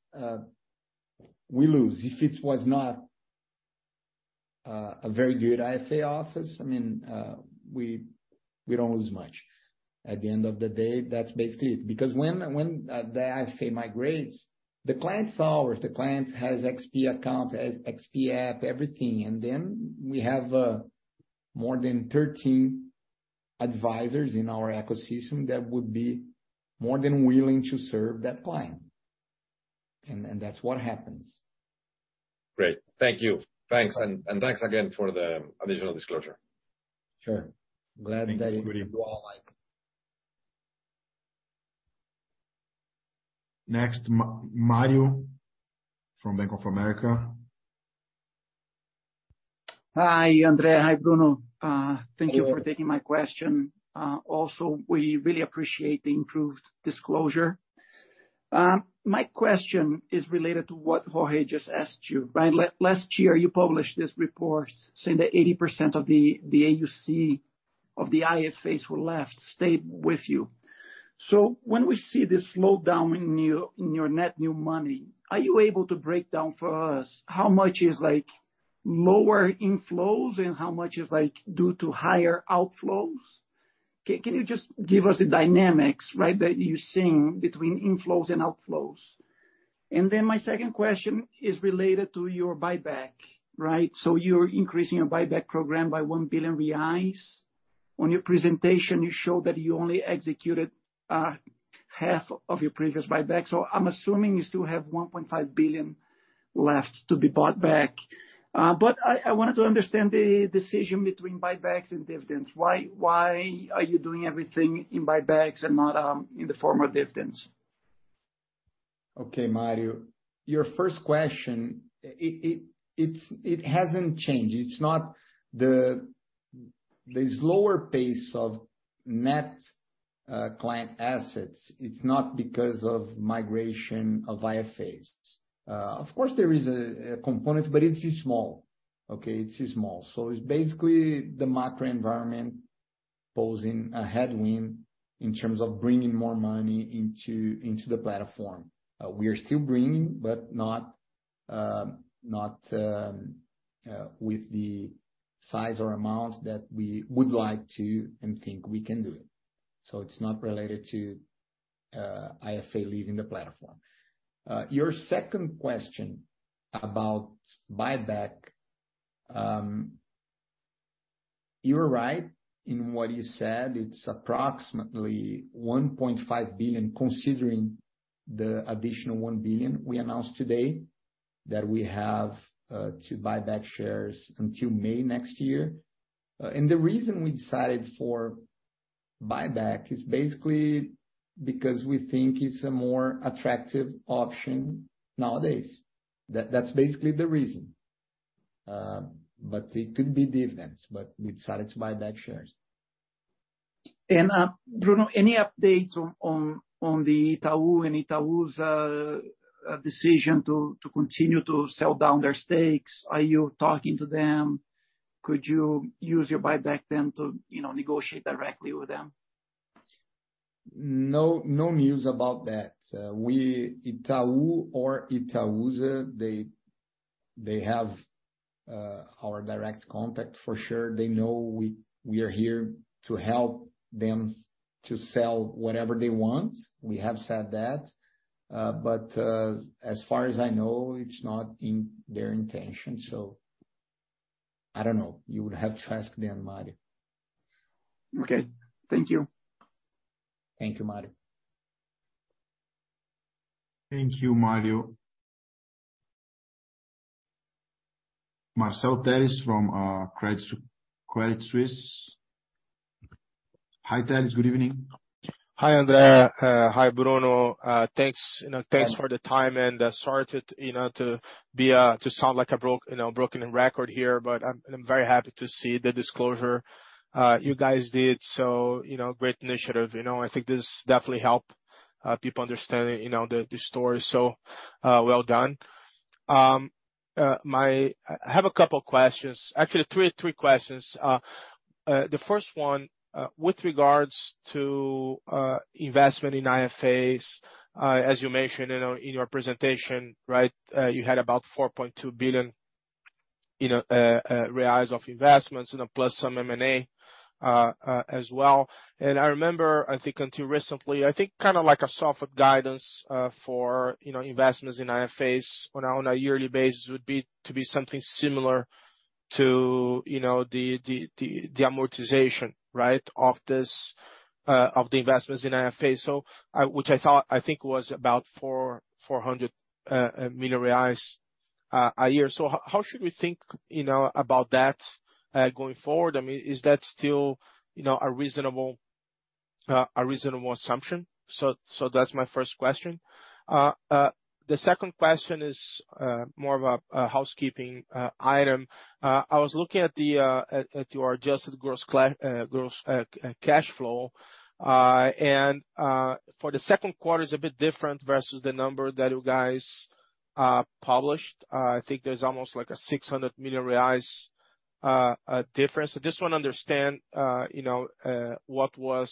we lose. If it was not a very good IFA office, we don't lose much. At the end of the day, that's basically it. Because when the IFA migrates, the client's ours. The client has XP accounts, has XP app, everything. Then we have more than 13 advisors in our ecosystem that would be more than willing to serve that client. That's what happens. Great. Thank you. Thanks. Thanks again for the additional disclosure. Sure. Glad that you all like it. Next, Mario from Bank of America. Hi, Andre. Hi, Bruno. Hey. Thank you for taking my question. Also, we really appreciate the improved disclosure. My question is related to what Jorge just asked you. Last year, you published this report saying that 80% of the AUC of the IFAs who left stayed with you. When we see this slowdown in your net new money, are you able to break down for us how much is lower inflows and how much is due to higher outflows? Can you just give us the dynamics that you're seeing between inflows and outflows? My second question is related to your buyback. You're increasing your buyback program by 1 billion reais. On your presentation, you showed that you only executed half of your previous buyback. I'm assuming you still have 1.5 billion left to be bought back. I wanted to understand the decision between buybacks and dividends. Why are you doing everything in buybacks and not in the form of dividends? Okay, Mario. Your first question, it hasn't changed. The slower pace of net client assets is not because of migration of IFAs. Of course, there is a component, but it is small. It's small. It's basically the macro environment posing a headwind in terms of bringing more money into the platform. We are still bringing, but not with the size or amount that we would like to and think we can do. It's not related to IFA leaving the platform. Your second question about buyback. You were right in what you said. It's approximately 1.5 billion, considering the additional 1 billion we announced today that we have to buy back shares until May next year. The reason we decided for buyback is basically because we think it's a more attractive option nowadays. That's basically the reason. It could be dividends, but we decided to buy back shares. Bruno, any updates on the Itaú and Itaúsa decision to continue to sell down their stakes? Are you talking to them? Could you use your buyback to negotiate directly with them? No news about that. Itaú or Itaúsa, they have our direct contact for sure. They know we are here to help them to sell whatever they want. We have said that. As far as I know, it's not in their intention. I don't know. You would have to ask them, Mario. Okay. Thank you. Thank you, Mario. Thank you, Mario. Marcel Teres from Credit Suisse. Hi, Teres. Good evening. Hi, Andre. Hi, Bruno. Thanks for the time. Sorry to sound like a broken record here, but I'm very happy to see the disclosure you guys did. Great initiative. I think this definitely help people understand the story, well done. I have a couple questions. Actually, three questions. The first one, with regards to investment in IFAs, as you mentioned in your presentation. You had about 4.2 billion of investments, plus some M&A as well. I remember, I think until recently, I think kind of like a soft guidance for investments in IFAs on a yearly basis would be to be something similar to the amortization of the investments in IFAs. Which I think was about 400 million reais a year. How should we think about that going forward? Is that still a reasonable assumption? That's my first question. The second question is more of a housekeeping item. I was looking at your adjusted gross cash flow. For the second quarter, it's a bit different versus the number that you guys published. I think there's almost a 600 million reais difference. I just want to understand what was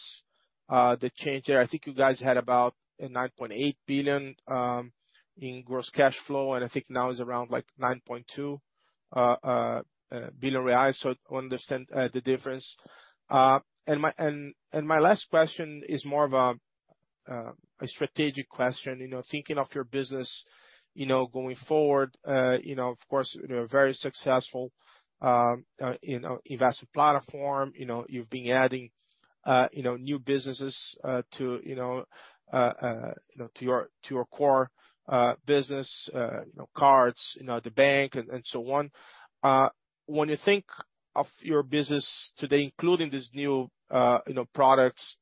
the change there. I think you guys had about a 9.8 billion in gross cash flow, and I think now it's around 9.2 billion reais, to understand the difference. My last question is more of a strategic question. Thinking of your business going forward, of course, very successful investment platform. You've been adding new businesses to your core business, cards, the bank, and so on. When you think of your business today, including these new products,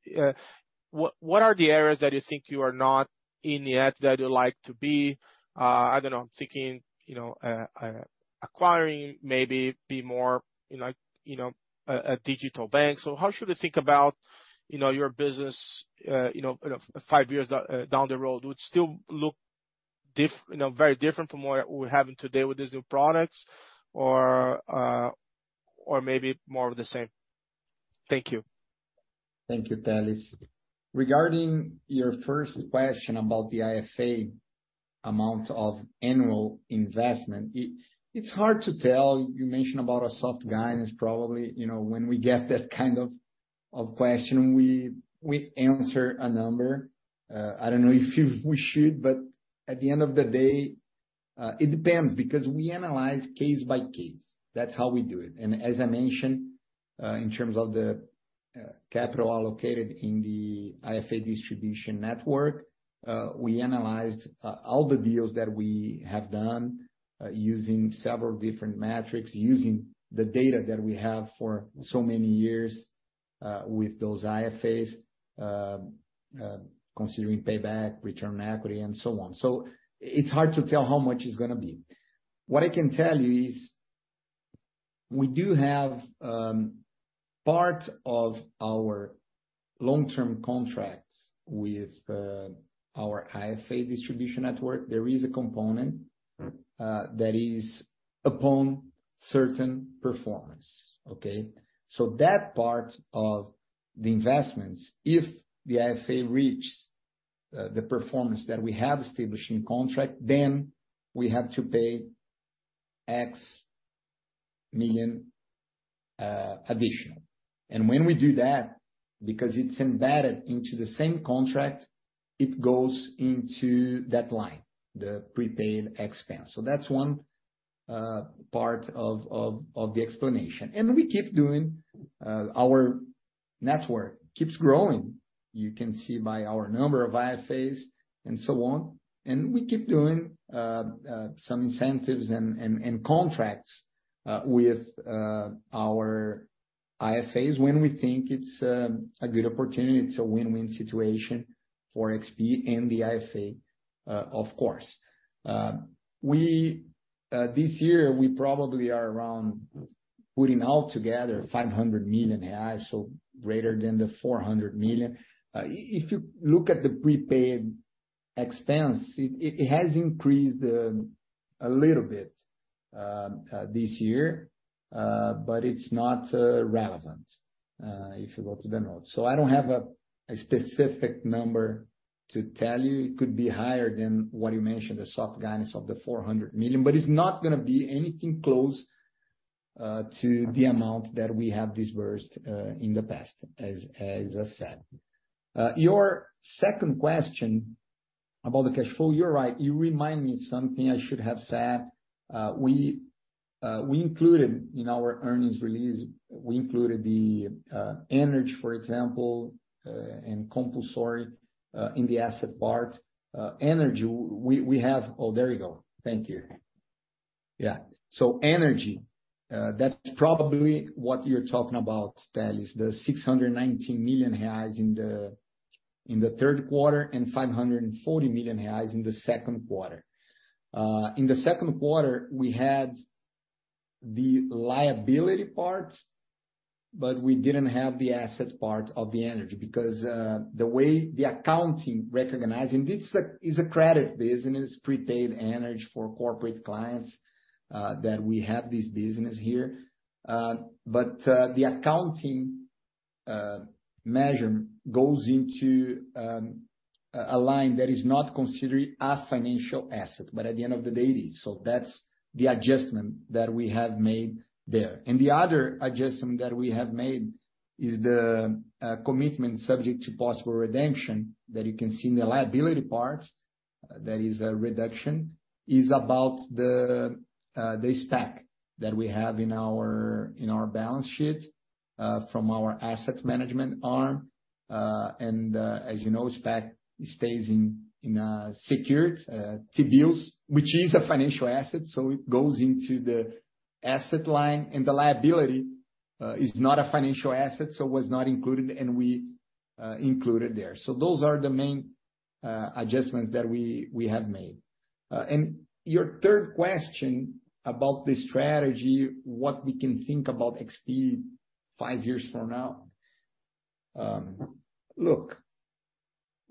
what are the areas that you think you are not in yet that you'd like to be? I don't know. I'm thinking acquiring, maybe be more a digital bank. How should we think about your business five years down the road? Would it still look very different from what we're having today with these new products or maybe more of the same? Thank you. Thank you, Teres. Regarding your first question about the IFA amount of annual investment, it's hard to tell. You mentioned about a soft guidance. Probably, when we get that kind of question, we answer a number. I don't know if we should, but at the end of the day, it depends because we analyze case by case. That's how we do it. As I mentioned, in terms of the capital allocated in the IFA distribution network, we analyzed all the deals that we have done using several different metrics, using the data that we have for so many years with those IFAs, considering payback, return on equity, and so on. It's hard to tell how much it's going to be. What I can tell you is we do have part of our long-term contracts with our IFA distribution network. There is a component that is upon certain performance, okay? That part of the investments, if the IFA reaches the performance that we have established in contract, then we have to pay X million additional. When we do that, because it's embedded into the same contract, it goes into that line, the prepaid expense. That's one part of the explanation. We keep doing, our network keeps growing. You can see by our number of IFAs and so on, and we keep doing some incentives and contracts with our IFAs when we think it's a good opportunity, it's a win-win situation for XP and the IFA, of course. This year, we probably are around putting all together 500 million reais, so greater than the 400 million. If you look at the prepaid expense, it has increased a little bit this year, but it's not relevant if you go to the notes. I don't have a specific number to tell you. It could be higher than what you mentioned, the soft guidance of the 400 million, but it's not going to be anything close to the amount that we have disbursed in the past, as I said. Your second question about the cash flow, you're right. You remind me something I should have said. We included in our earnings release, we included the energy, for example, and compulsory in the asset part. Energy. Thank you. Energy, that's probably what you're talking about, Tito, the 619 million reais in the third quarter and 540 million reais in the second quarter. In the second quarter, we had the liability part, we didn't have the asset part of the energy because the way the accounting recognizing, this is a credit business, prepaid energy for corporate clients that we have this business here. The accounting measure goes into a line that is not considered a financial asset, but at the end of the day it is. That's the adjustment that we have made there. The other adjustment that we have made is the commitment subject to possible redemption that you can see in the liability part. That is a reduction, is about the SPAC that we have in our balance sheet from our asset management arm. As you know, SPAC stays in secured T-bills, which is a financial asset, it goes into the asset line. The liability is not a financial asset, so was not included, and we included there. Those are the main adjustments that we have made. Your third question about the strategy, what we can think about XP 5 years from now.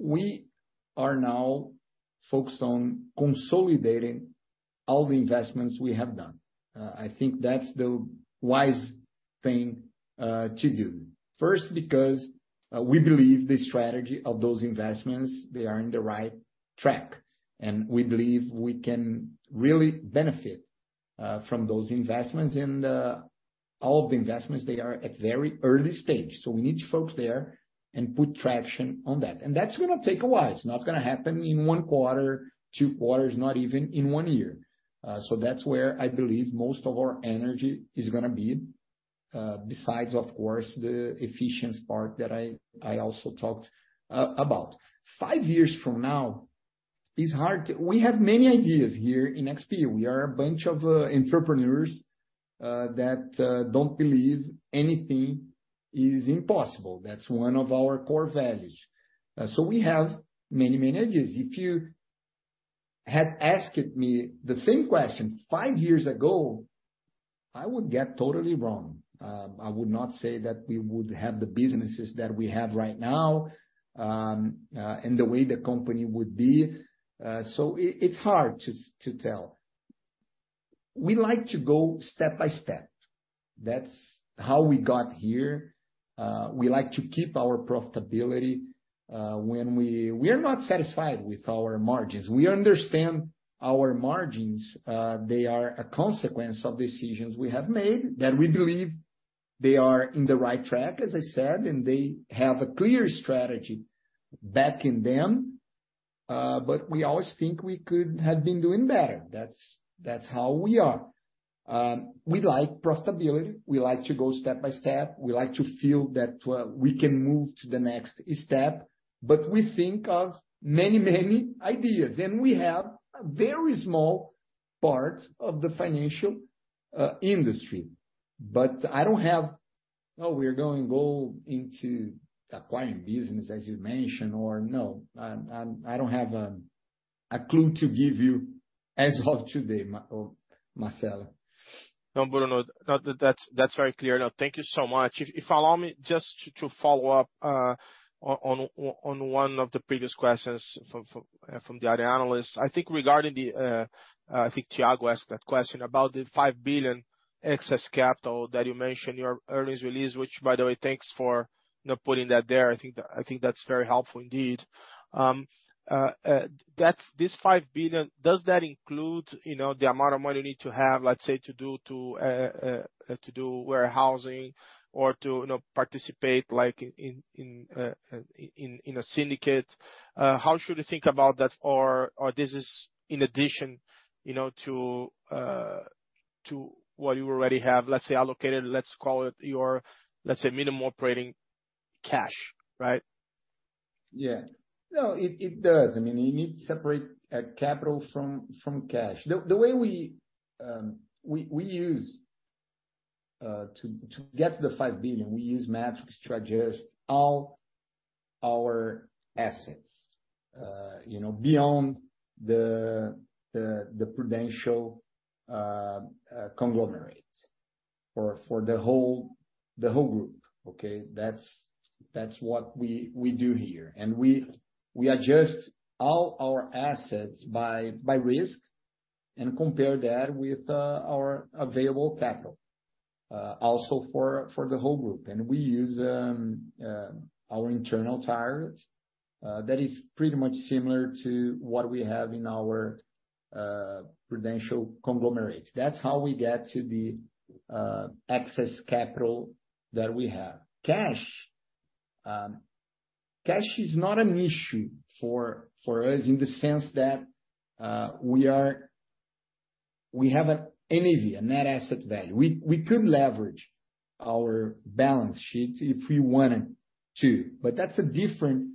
We are now focused on consolidating all the investments we have done. I think that's the wise thing to do. First, because we believe the strategy of those investments, they are in the right track, and we believe we can really benefit from those investments. All of the investments, they are at very early stage, so we need to focus there and put traction on that. That's going to take a while. It's not going to happen in 1 quarter, 2 quarters, not even in 1 year. That's where I believe most of our energy is going to be, besides, of course, the efficiency part that I also talked about. 5 years from now is hard to tell. We have many ideas here in XP. We are a bunch of entrepreneurs that don't believe anything is impossible. That's 1 of our core values. We have many, many ideas. If you had asked me the same question 5 years ago, I would get totally wrong. I would not say that we would have the businesses that we have right now, and the way the company would be. It's hard to tell. We like to go step by step. That's how we got here. We like to keep our profitability. We are not satisfied with our margins. We understand our margins, they are a consequence of decisions we have made that we believe they are in the right track, as I said, and they have a clear strategy backing them. We always think we could have been doing better. That's how we are. We like profitability. We like to go step by step. We like to feel that we can move to the next step, but we think of many ideas. We have a very small part of the financial industry. I don't have, "Oh, we are going to go into acquiring business," as you mentioned, or no. I don't have a clue to give you as of today, Marcelo. No, Bruno. That's very clear. Thank you so much. If you allow me just to follow up on 1 of the previous questions from the other analysts. I think Thiago asked that question about the $5 billion excess capital that you mentioned in your earnings release. Which, by the way, thanks for putting that there. I think that's very helpful indeed. This $5 billion, does that include the amount of money you need to have, let's say, to do warehousing or to participate in a syndicate? How should we think about that? Or this is in addition to what you already have, let's say, allocated, let's call it your minimum operating cash, right? No, it does. You need to separate capital from cash. To get to the $5 billion, we use metrics to adjust all our assets. Beyond the Prudential conglomerate for the whole group. That's what we do here. We adjust all our assets by risk and compare that with our available capital. Also for the whole group. We use our internal targets. That is pretty much similar to what we have in our Prudential conglomerate. That's how we get to the excess capital that we have. Cash is not an issue for us in the sense that we have an NAV, a net asset value. We could leverage our balance sheet if we wanted to, but that's a different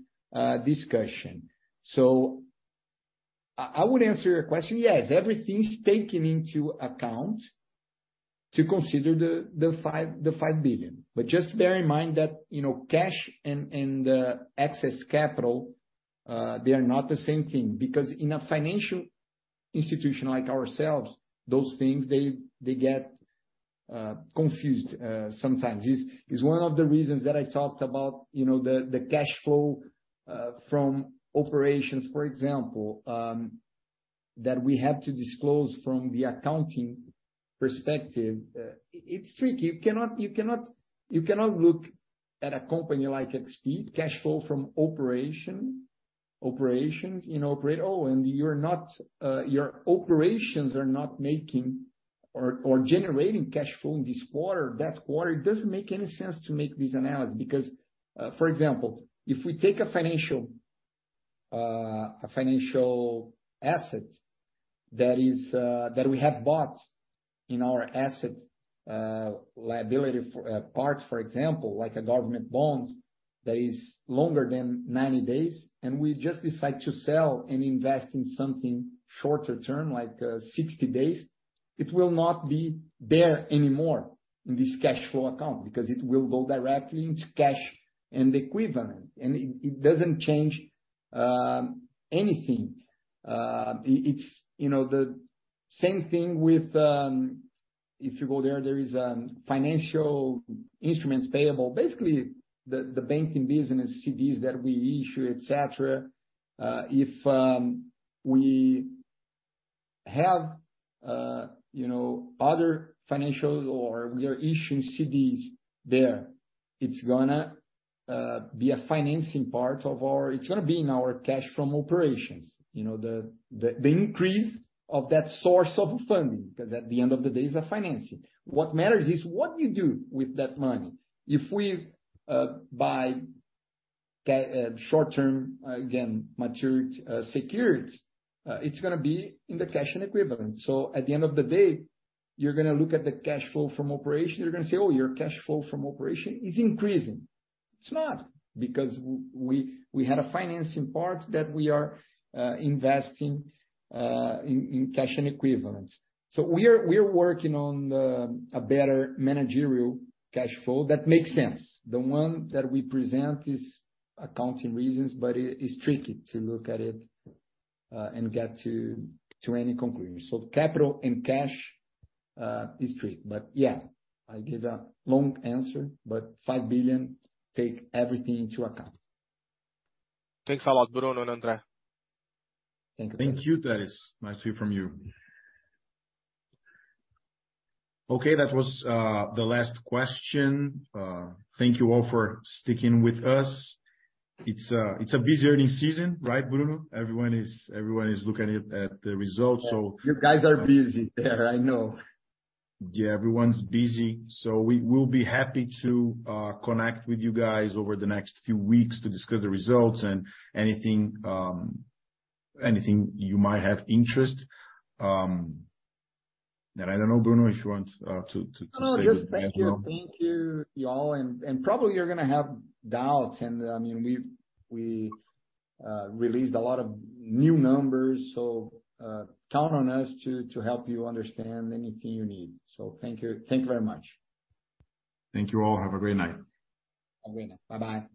discussion. I would answer your question, yes, everything's taken into account to consider the $5 billion. Just bear in mind that cash and excess capital, they are not the same thing because in a financial institution like ourselves, those things get confused sometimes. This is one of the reasons that I talked about the cash flow from operations, for example, that we had to disclose from the accounting perspective. It's tricky. You cannot look at a company like XP, cash flow from operations, and your operations are not making or generating cash flow in this quarter, that quarter. It doesn't make any sense to make this analysis because, for example, if we take a financial asset that we have bought in our asset liability parts, for example, like a government bond that is longer than 90 days, we just decide to sell and invest in something shorter term, like 60 days, it will not be there anymore in this cash flow account because it will go directly into cash and equivalent. It doesn't change anything. It's the same thing. If you go there is financial instruments payable. Basically, the banking business CDs that we issue, et cetera. If we have other financials or we are issuing CDs there, it's going to be a financing part of our cash from operations. The increase of that source of funding, because at the end of the day, it's a financing. What matters is what you do with that money. If we buy short-term, again, matured securities, it's going to be in the cash and equivalent. At the end of the day, you're going to look at the cash flow from operation, you're going to say, "Oh, your cash flow from operation is increasing." It's not, because we had a financing part that we are investing in cash and equivalents. We are working on a better managerial cash flow that makes sense. The one that we present is accounting reasons, but it's tricky to look at it and get to any conclusion. Capital and cash is tricky. I give a long answer, $5 billion take everything into account. Thanks a lot, Bruno and Andre. Thank you. Thank you, Thiago. Nice to hear from you. That was the last question. Thank you all for sticking with us. It's a busy earning season, right, Bruno? Everyone is looking at the results. You guys are busy there, I know. everyone's busy. We'll be happy to connect with you guys over the next few weeks to discuss the results and anything you might have interest. I don't know, Bruno, if you want to say good night to everyone. No, just thank you. Thank you, y'all. Probably you're going to have doubts, and we released a lot of new numbers, count on us to help you understand anything you need. Thank you very much. Thank you all. Have a great night. Have a great night. Bye-bye.